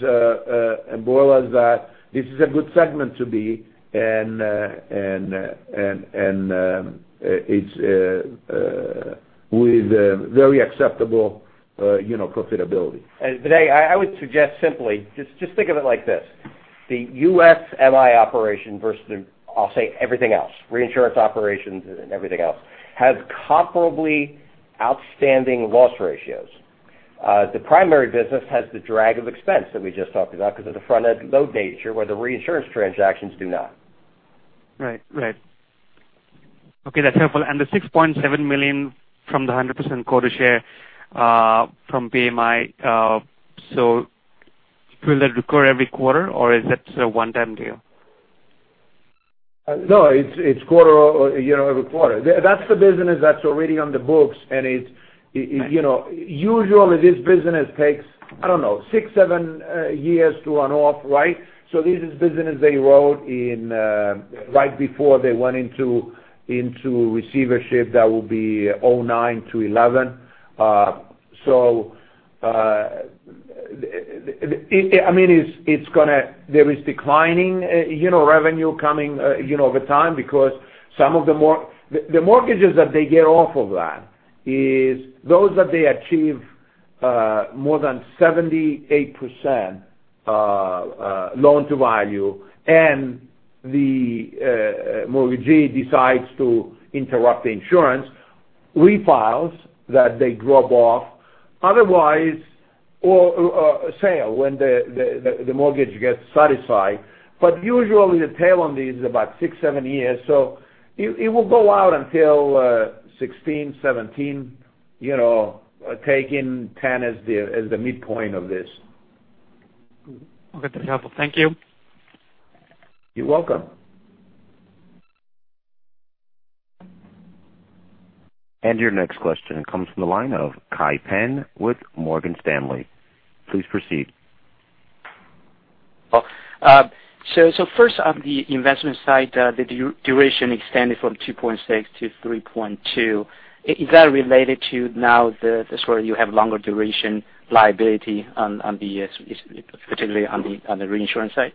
boil as that this is a good segment to be, and it's with very acceptable profitability. Vinay, I would suggest simply, just think of it like this. The U.S. MI operation versus, I'll say everything else, reinsurance operations and everything else, has comparably outstanding loss ratios. The primary business has the drag of expense that we just talked about because of the front-end load nature where the reinsurance transactions do not. Right. Okay. That's helpful. The $6.7 million from the 100% quota share from PMI, will that recur every quarter or is that a one-time deal? No, it's every quarter. That's the business that's already on the books, usually this business takes, I don't know, six, seven years to run off, right? This is business they wrote right before they went into receivership. That will be 2009 to 2011. There is declining revenue coming over time because the mortgages that they get off of that is those that they achieve more than 78% loan to value and the mortgagee decides to interrupt the insurance, refis that they drop off. Otherwise, sale when the mortgage gets satisfied. Usually, the tail on these is about six, seven years. It will go out until 2016, 2017, taking 10 as the midpoint of this. Okay. That's helpful. Thank you. You're welcome. Your next question comes from the line of Kai Pan with Morgan Stanley. Please proceed. First on the investment side, the duration extended from 2.6 to 3.2. Is that related to now that you have longer duration liability on the, particularly on the reinsurance side?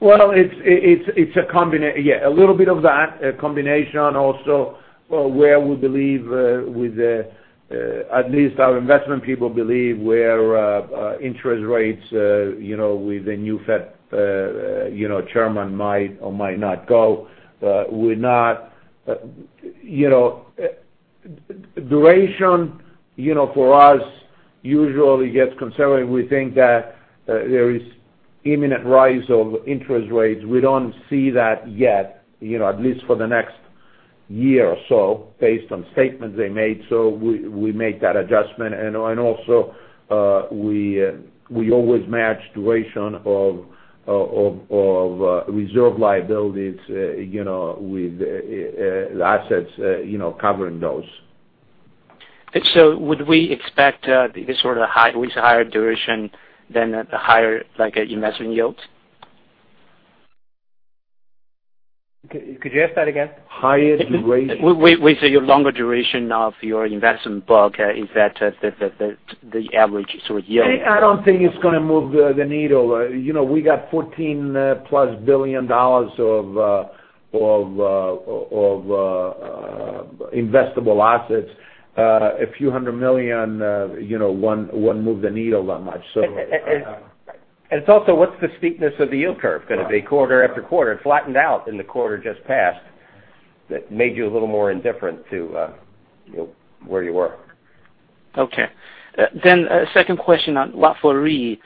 Well, it's a combination. Yeah, a little bit of that. A combination also where we believe with at least our investment people believe where interest rates with the new Fed Chairman might or might not go. Duration for us usually gets concerning if we think that there is imminent rise of interest rates. We don't see that yet, at least for the next year or so, based on statements they made. We make that adjustment. Also we always match duration of reserve liabilities with assets covering those. Would we expect this sort of higher duration than a higher investment yield? Could you ask that again? Higher duration. With your longer duration of your investment book, is that the average sort of yield? I don't think it's going to move the needle. We got $14 plus billion of investable assets. A few hundred million wouldn't move the needle that much. It's also what's the steepness of the yield curve going to be quarter after quarter? It flattened out in the quarter just passed. That made you a little more indifferent to where you were. Okay. Second question on Watford Re.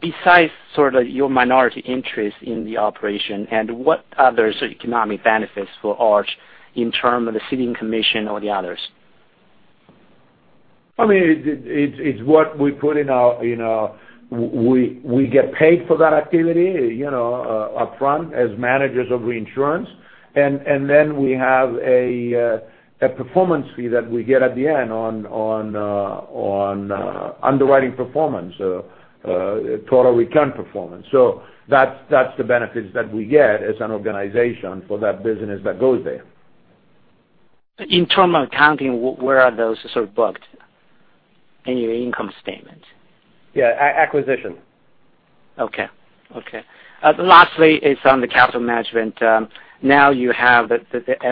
Besides sort of your minority interest in the operation and what other economic benefits for Arch in term of the ceding commission or the others? I mean, We get paid for that activity upfront as managers of reinsurance. Then we have a performance fee that we get at the end on underwriting performance, total return performance. That's the benefits that we get as an organization for that business that goes there. In terms of accounting, where are those sort of booked in your income statement? Yeah, acquisition. Okay. Lastly is on the capital management. Now you have the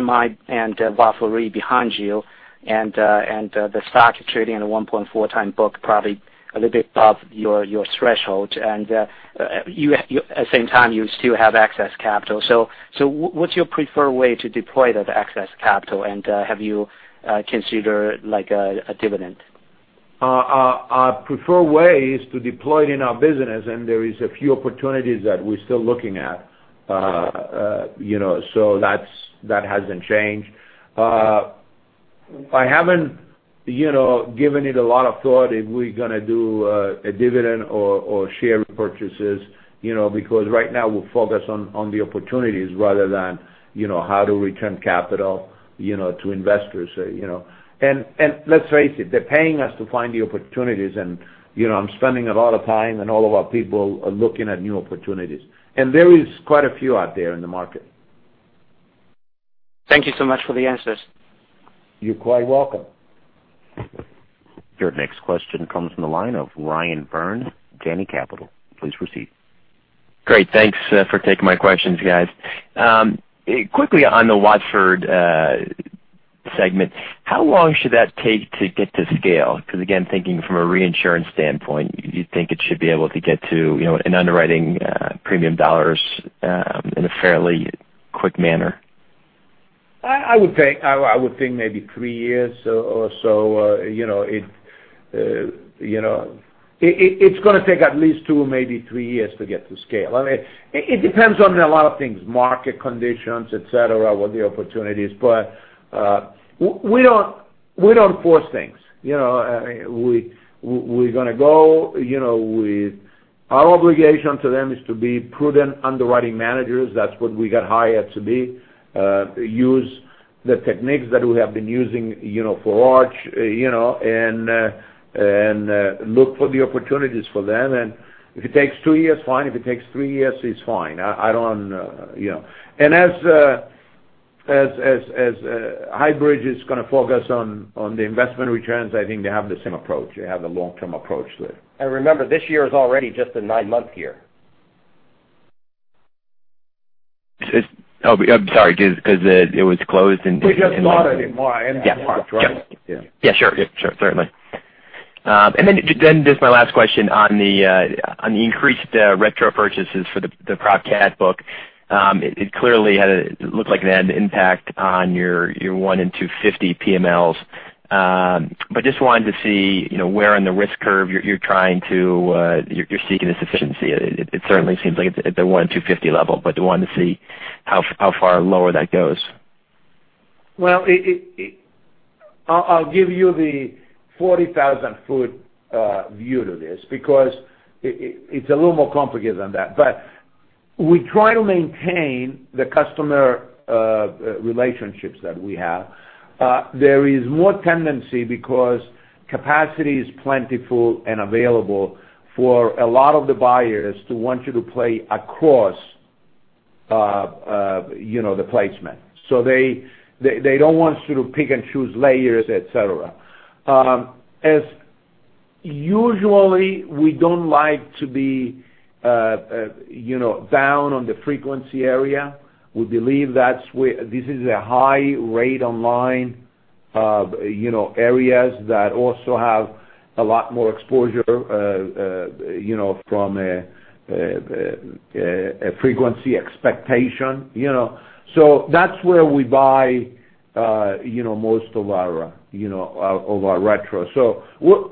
MI and Watford Re behind you, the stock is trading at a 1.4x book, probably a little bit above your threshold. At the same time, you still have excess capital. What's your preferred way to deploy that excess capital, and have you considered a dividend? Our preferred way is to deploy it in our business, and there is a few opportunities that we're still looking at. That hasn't changed. I haven't given it a lot of thought if we're going to do a dividend or share purchases because right now we're focused on the opportunities rather than how to return capital to investors. Let's face it, they're paying us to find the opportunities, and I'm spending a lot of time, and all of our people are looking at new opportunities. There is quite a few out there in the market. Thank you so much for the answers. You're quite welcome. Your next question comes from the line of Ryan Burns, Janney Capital. Please proceed. Great. Thanks for taking my questions, guys. Quickly on the Watford segment, how long should that take to get to scale? Because again, thinking from a reinsurance standpoint, you think it should be able to get to an underwriting premium dollars in a fairly quick manner. I would think maybe three years or so. It's going to take at least two, maybe three years to get to scale. I mean, it depends on a lot of things, market conditions, et cetera, what the opportunity is. We don't force things. We're going to go with our obligation to them is to be prudent underwriting managers. That's what we got hired to be. Use the techniques that we have been using for Arch, look for the opportunities for them. If it takes two years, fine. If it takes three years, it's fine. As Highbridge is going to focus on the investment returns, I think they have the same approach. They have the long-term approach there. Remember, this year is already just a nine-month year. I'm sorry, because it was closed in- They just bought it in March. Sure. Certainly. Just my last question on the increased retro purchases for the prop cat book. It clearly looked like it had an impact on your one in 250 PMLs. Just wanted to see where in the risk curve you're seeking this efficiency. It certainly seems like it's at the one in 250 level, wanted to see how far lower that goes. Well, I'll give you the 40,000-foot view to this because it's a little more complicated than that. We try to maintain the customer relationships that we have. There is more tendency because capacity is plentiful and available for a lot of the buyers to want you to play across the placement. They don't want you to pick and choose layers, et cetera. As usually, we don't like to be down on the frequency area. We believe this is a high rate on line areas that also have a lot more exposure from a frequency expectation. That's where we buy most of our retro.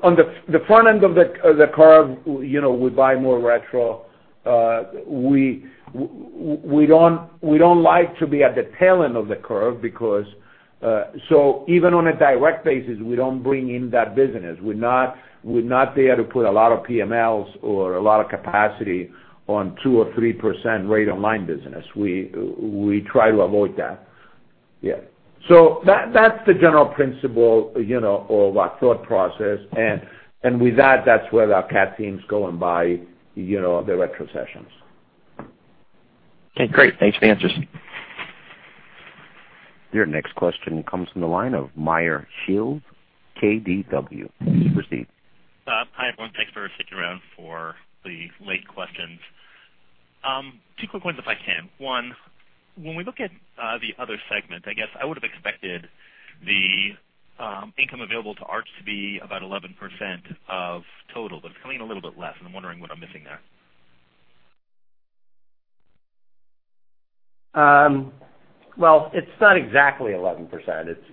On the front end of the curve, we buy more retro. We don't like to be at the tail end of the curve, so even on a direct basis, we don't bring in that business. We're not there to put a lot of PMLs or a lot of capacity on 2% or 3% rate on line business. We try to avoid that. Yeah. That's the general principle of our thought process. With that's where our cat team's going by the retro sessions. Okay, great. Thanks for the answers. Your next question comes from the line of Meyer Shields, KBW. Please proceed. Hi, everyone. Thanks for sticking around for the late questions. Two quick ones if I can. One, when we look at the other segment, I guess I would have expected the income available to Arch to be about 11% of total. It's coming in a little bit less, I'm wondering what I'm missing there. Well, it's not exactly 11%.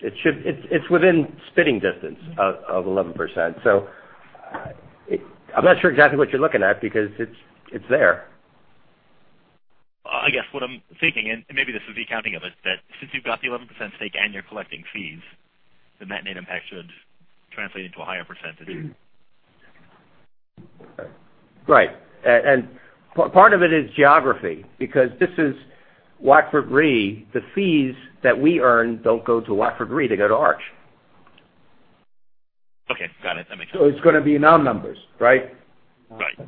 It's within spitting distance of 11%. I'm not sure exactly what you're looking at because it's there. I guess what I'm thinking, and maybe this is the accounting of it, that since you've got the 11% stake and you're collecting fees, that net impact should translate into a higher percentage. Right. Part of it is geography, because this is Watford Re, the fees that we earn don't go to Watford Re, they go to Arch. Okay, got it. That makes sense. It's going to be non-numbers, right? Right.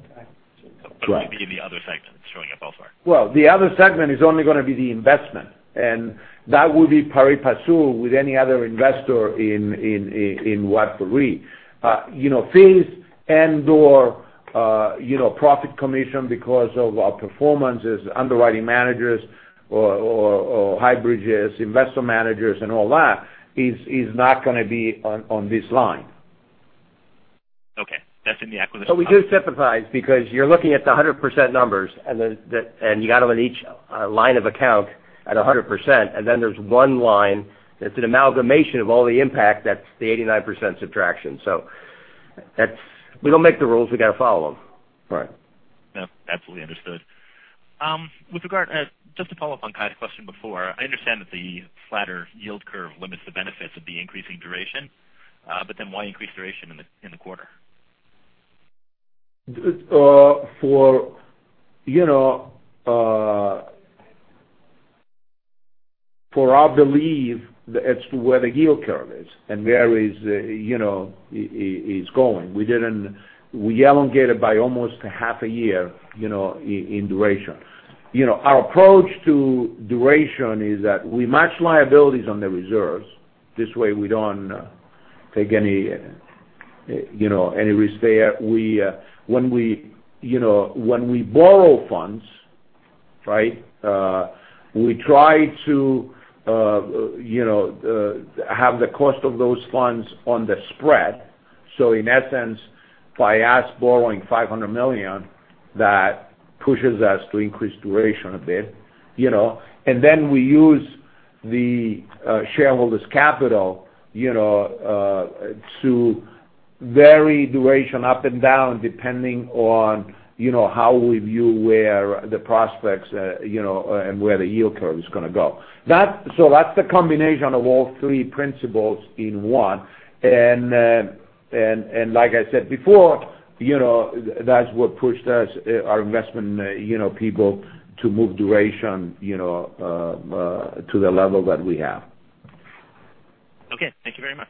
Right. It would be the other segment that's showing up elsewhere. The other segment is only going to be the investment, and that would be pari passu with any other investor in Watford Re. Fees and/or profit commission because of our performance as underwriting managers or Highbridge's investor managers and all that is not going to be on this line. That's in the acquisition price. We do sympathize because you're looking at the 100% numbers, and you got them in each line of account at 100%, and then there's one line that's an amalgamation of all the impact. That's the 89% subtraction. We don't make the rules. We got to follow them. Right. Yeah, absolutely understood. Just to follow up on Kai's question before, I understand that the flatter yield curve limits the benefits of the increasing duration. Why increase duration in the quarter? For our belief as to where the yield curve is and where it's going. We elongated by almost half a year in duration. Our approach to duration is that we match liabilities on the reserves. This way, we don't take any risk there. When we borrow funds, we try to have the cost of those funds on the spread. In essence, by us borrowing $500 million, that pushes us to increase duration a bit. Then we use the shareholders' capital to vary duration up and down depending on how we view where the prospects and where the yield curve is going to go. That's the combination of all three principles in one. Like I said before, that's what pushed us, our investment people to move duration to the level that we have. Okay. Thank you very much.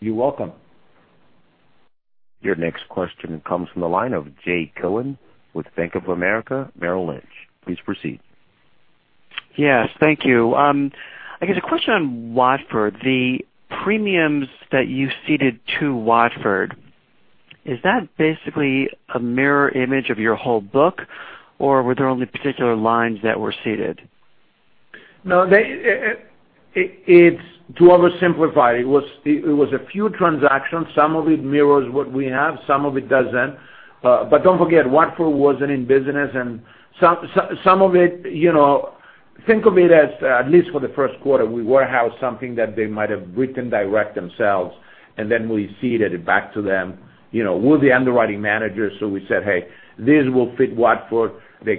You're welcome. Your next question comes from the line of Jay Cohen with Bank of America Merrill Lynch. Please proceed. Yes. Thank you. I guess a question on Watford. The premiums that you ceded to Watford, is that basically a mirror image of your whole book, or were there only particular lines that were ceded? No. To oversimplify, it was a few transactions. Some of it mirrors what we have, some of it doesn't. Don't forget, Watford wasn't in business. Think of it as, at least for the first quarter, we warehouse something that they might have written direct themselves, and then we ceded it back to them. We're the underwriting manager, so we said, "Hey, this will fit Watford." We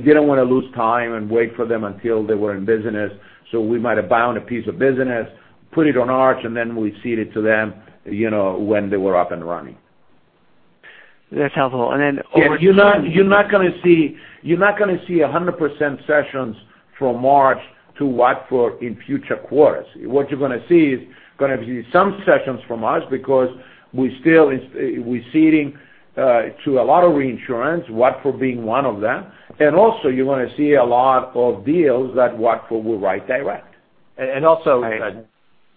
didn't want to lose time and wait for them until they were in business. So we might have bound a piece of business, put it on Arch, and then we ceded to them when they were up and running. That's helpful. Over time. You're not going to see 100% cessions from Arch to Watford in future quarters. What you're going to see is some cessions from us because we're ceding to a lot of reinsurance, Watford being one of them. Also, you're going to see a lot of deals that Watford will write direct. Also,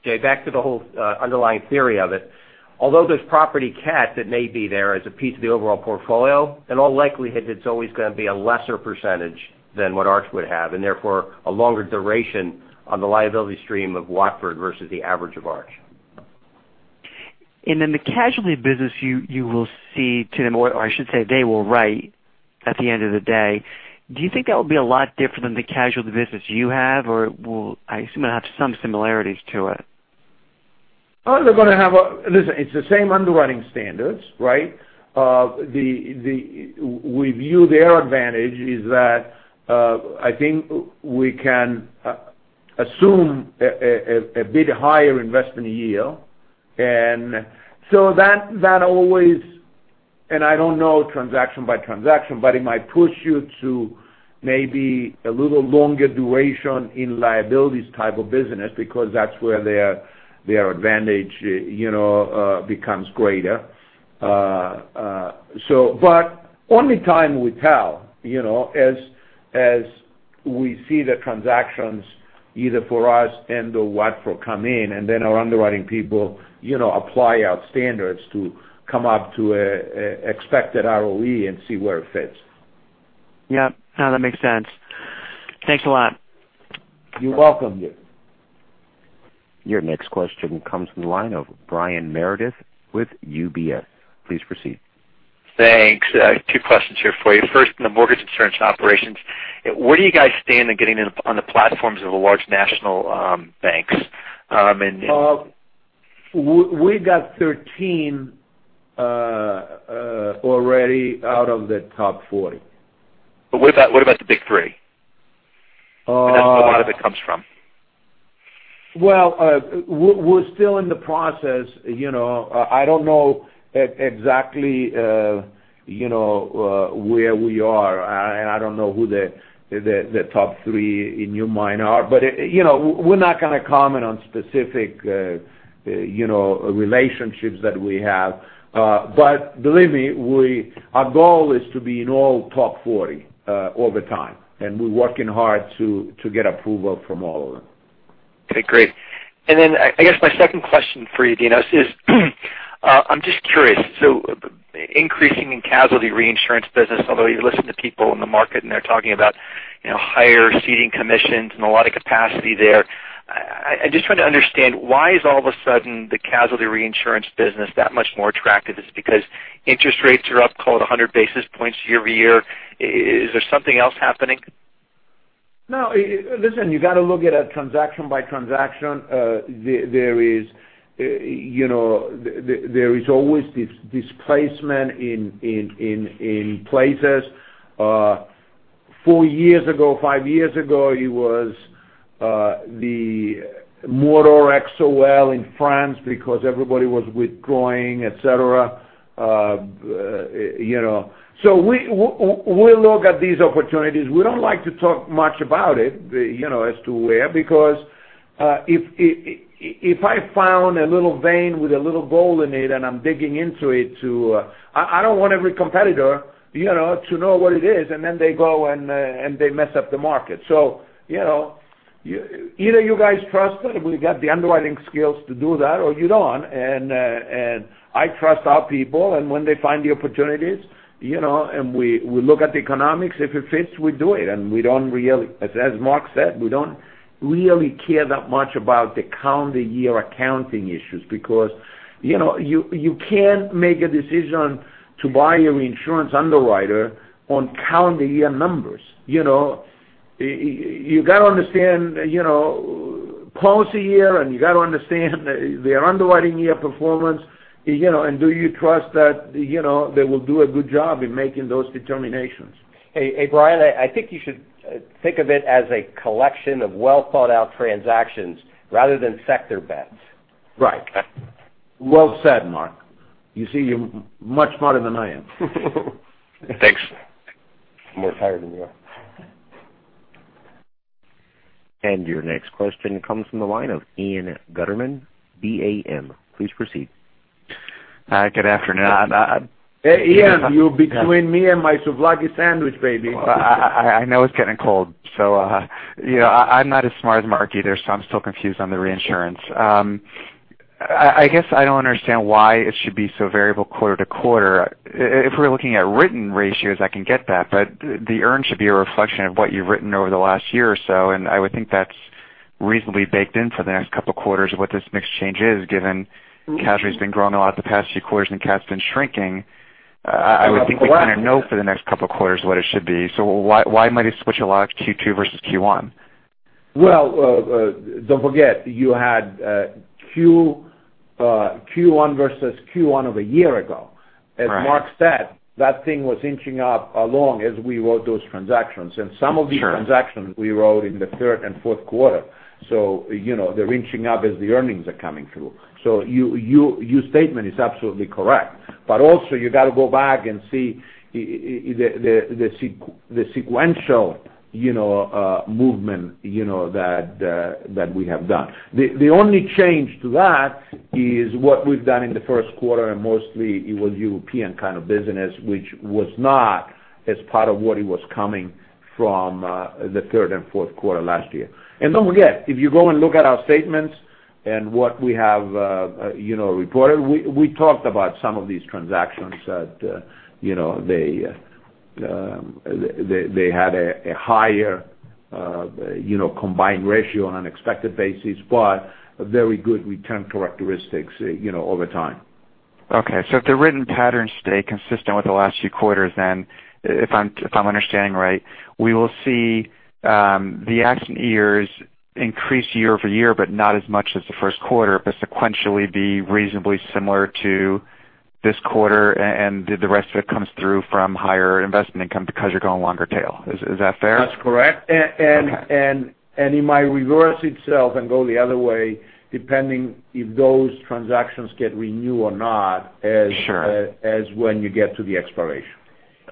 Jay, back to the whole underlying theory of it. Although there's property cat that may be there as a piece of the overall portfolio, in all likelihood, it's always going to be a lesser percentage than what Arch would have, and therefore a longer duration on the liability stream of Watford versus the average of Arch. In the casualty business, you will see to them, or I should say, they will write at the end of the day. Do you think that will be a lot different than the casualty business you have or will it have some similarities to it? They're going to have Listen, it's the same underwriting standards, right? We view their advantage is that, I think we can assume a bit higher investment yield. I don't know transaction by transaction, but it might push you to maybe a little longer duration in liabilities type of business because that's where their advantage becomes greater. Only time will tell, as we see the transactions, either for us and the Watford come in, then our underwriting people apply our standards to come up to expected ROE and see where it fits. Yeah. No, that makes sense. Thanks a lot. You're welcome. Your next question comes from the line of Brian Meredith with UBS. Please proceed. Thanks. I have two questions here for you. First, in the mortgage insurance operations, where do you guys stand in getting on the platforms of the large national banks? We got 13 already out of the top 40. What about the big three? That's where a lot of it comes from. Well, we're still in the process. I don't know exactly where we are, and I don't know who the top three in your mind are. We're not going to comment on specific relationships that we have. Believe me, our goal is to be in all top 40 over time, and we're working hard to get approval from all of them. Okay, great. I guess my second question for you, Dinos, is I'm just curious. Increasing in casualty reinsurance business, although you listen to people in the market and they're talking about higher ceding commissions and a lot of capacity there. I'm just trying to understand why is all of a sudden the casualty reinsurance business that much more attractive? Is it because interest rates are up, call it 100 basis points year-over-year? Is there something else happening? No. Listen, you got to look at it transaction by transaction. There is always this displacement in places. Four years ago, five years ago, it was the motor XOL in France because everybody was withdrawing, et cetera. We look at these opportunities. We don't like to talk much about it, as to where, because if I found a little vein with a little gold in it and I'm digging into it. I don't want every competitor to know what it is, and then they go and they mess up the market. Either you guys trust that we've got the underwriting skills to do that or you don't. I trust our people, and when they find the opportunities, and we look at the economics, if it fits, we do it. As Mark said, we don't really care that much about the calendar year accounting issues because you can't make a decision to buy your insurance underwriter on calendar year numbers. You got to understand policy year, and you got to understand their underwriting year performance, and do you trust that they will do a good job in making those determinations? Hey, Brian, I think you should think of it as a collection of well-thought-out transactions rather than sector bets. Right. Well said, Mark. You see, you're much smarter than I am. Thanks. More tired than you are. Your next question comes from the line of Ian Gutterman, BAM. Please proceed. Hi, good afternoon. Hey, Ian, you're between me and my souvlaki sandwich, baby. I know it's getting cold. I'm not as smart as Mark either, so I'm still confused on the reinsurance. I guess I don't understand why it should be so variable quarter-to-quarter. If we're looking at written ratios, I can get that, but the earn should be a reflection of what you've written over the last year or so, and I would think that's reasonably baked in for the next couple of quarters of what this mix change is, given casualty's been growing a lot the past few quarters and CATs been shrinking. I would think we kind of know for the next couple of quarters what it should be. Why might it switch a lot Q2 versus Q1? Don't forget, you had Q1 versus Q1 of a year ago. Right. As Mark said, that thing was inching up along as we wrote those transactions. Sure. Some of these transactions we wrote in the third and fourth quarter. They're inching up as the earnings are coming through. Your statement is absolutely correct. Also you got to go back and see the sequential movement that we have done. The only change to that is what we've done in the first quarter, and mostly it was European kind of business, which was not as part of what it was coming from the third and fourth quarter last year. Don't forget, if you go and look at our statements and what we have reported, we talked about some of these transactions that they had a higher combined ratio on an expected basis, but very good return characteristics over time. If the written patterns stay consistent with the last few quarters, then if I'm understanding right, we will see the accident years increase year-over-year, but not as much as the first quarter, but sequentially be reasonably similar to this quarter and the rest of it comes through from higher investment income because you're going longer tail. Is that fair? That's correct. Okay. It might reverse itself and go the other way, depending if those transactions get renewed or not. Sure As when you get to the expiration.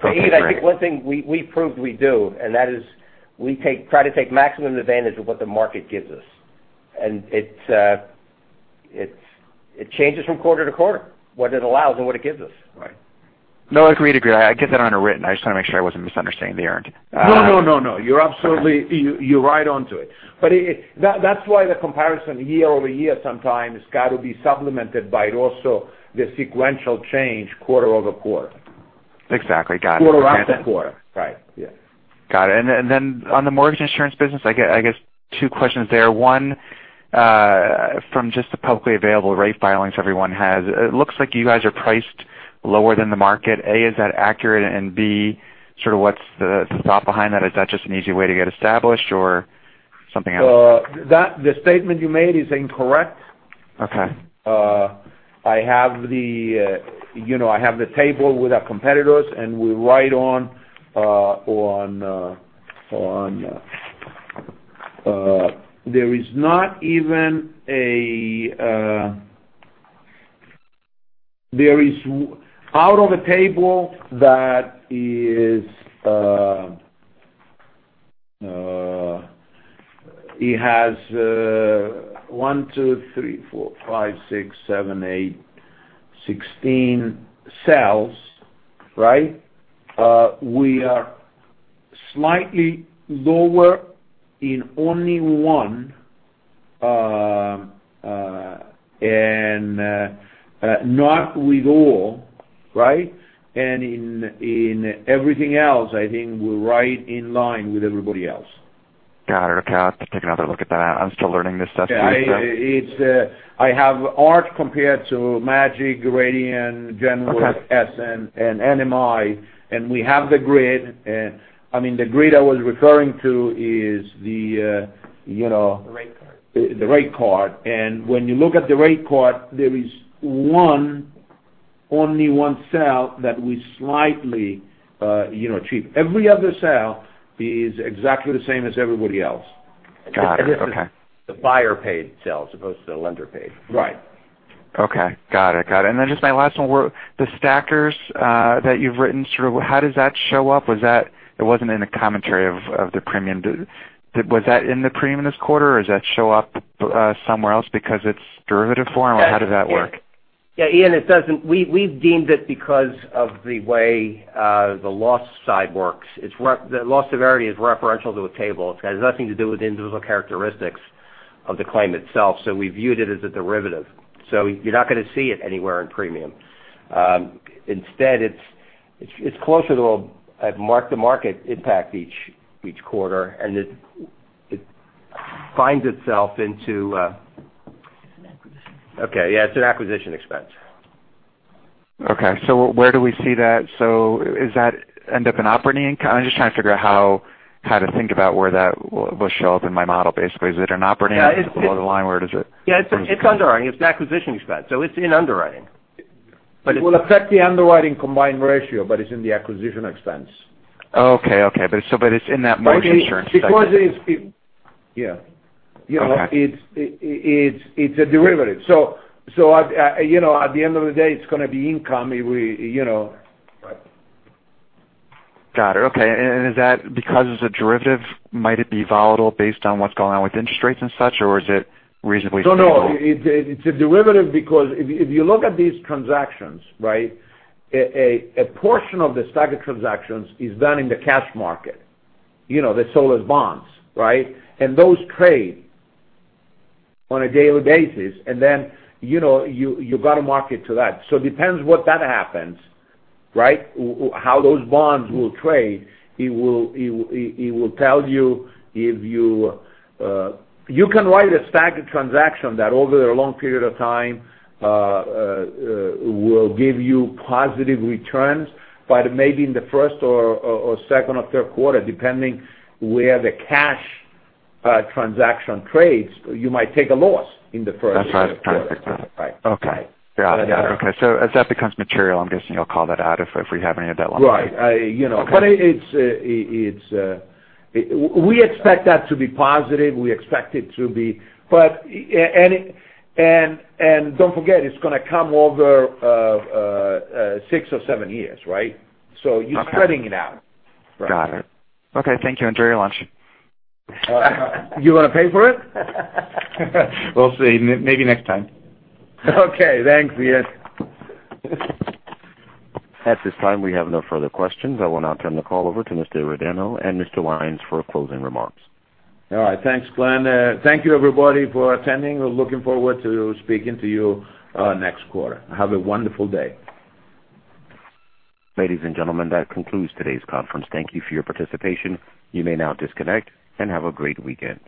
Okay, great. Ian, I think one thing we proved we do, and that is we try to take maximum advantage of what the market gives us. It changes from quarter to quarter, what it allows and what it gives us. Right. Agreed. I get that on a written. I just want to make sure I wasn't misunderstanding the earned. You're absolutely, you're right onto it. That's why the comparison year-over-year sometimes has got to be supplemented by also the sequential change quarter-over-quarter. Exactly. Got it. Quarter after quarter. Right. Yeah. Got it. Then on the mortgage insurance business, I guess two questions there. One, from just the publicly available rate filings everyone has, it looks like you guys are priced lower than the market. A, is that accurate? B, sort of what's the thought behind that? Is that just an easy way to get established or something else? The statement you made is incorrect. Okay. I have the table with our competitors, we're right on. There is not even a. Out of a table that is, it has one, two, three, four, five, six, seven, eight, 16 cells. Right? We are slightly lower in only one, not with all, right? In everything else, I think we're right in line with everybody else. Got it. Okay. I'll have to take another look at that. I'm still learning this stuff too. Yeah. I have Arch compared to MGIC, Genworth. Okay Essent and NMI, we have the grid. The grid I was referring to is the- The rate card the rate card. When you look at the rate card, there is only one cell that we slightly cheap. Every other cell is exactly the same as everybody else. Got it. Okay. The buyer paid sell as opposed to the lender paid. Right. Okay. Got it. Then just my last one, the STACRs that you've written through, how does that show up? It wasn't in the commentary of the premium. Was that in the premium this quarter, or does that show up somewhere else because it's derivative form, or how did that work? Yeah, Ian, it doesn't. We've deemed it because of the way the loss side works. The loss severity is referential to a table. It has nothing to do with individual characteristics of the claim itself. We viewed it as a derivative. You're not going to see it anywhere in premium. Instead, it's closer to a mark-to-market impact each quarter, and it finds itself into- It's an acquisition expense. Yeah. It's an acquisition expense. Where do we see that? Does that end up in operating? I'm just trying to figure out how to think about where that will show up in my model, basically. Is it an operating below the line? Where is it? Yeah, it's underwriting. It's an acquisition expense. It's in underwriting. It will affect the underwriting combined ratio, but it's in the acquisition expense. It's in that Mortgage Insurance Segment. Yeah. Okay. It's a derivative. At the end of the day, it's going to be income. Got it. Okay. Is that because it's a derivative, might it be volatile based on what's going on with interest rates and such, or is it reasonably stable? No, it's a derivative because if you look at these transactions. A portion of the STACR transactions is done in the cash market. They sold as bonds, right? Those trade on a daily basis. Then, you've got to market to that. It depends what that happens. How those bonds will trade, it will tell you if you can write a STACR transaction that over a long period of time will give you positive returns. Maybe in the first or second or third quarter, depending where the cash transaction trades, you might take a loss in the first quarter. That's why I was trying to figure that out. Right. Okay. Got it. Okay. As that becomes material, I'm guessing you'll call that out if we have any of that one. Right. Okay. We expect that to be positive. Don't forget, it's going to come over six or seven years, right? Okay. You're spreading it out. Got it. Okay, thank you. Enjoy your lunch. You want to pay for it? We'll see. Maybe next time. Okay. Thanks, Ian. At this time, we have no further questions. I will now turn the call over to Mr. Iordanou and Mr. Lyons for closing remarks. All right. Thanks, Glenn. Thank you, everybody, for attending. We are looking forward to speaking to you next quarter. Have a wonderful day. Ladies and gentlemen, that concludes today's conference. Thank you for your participation. You may now disconnect and have a great weekend.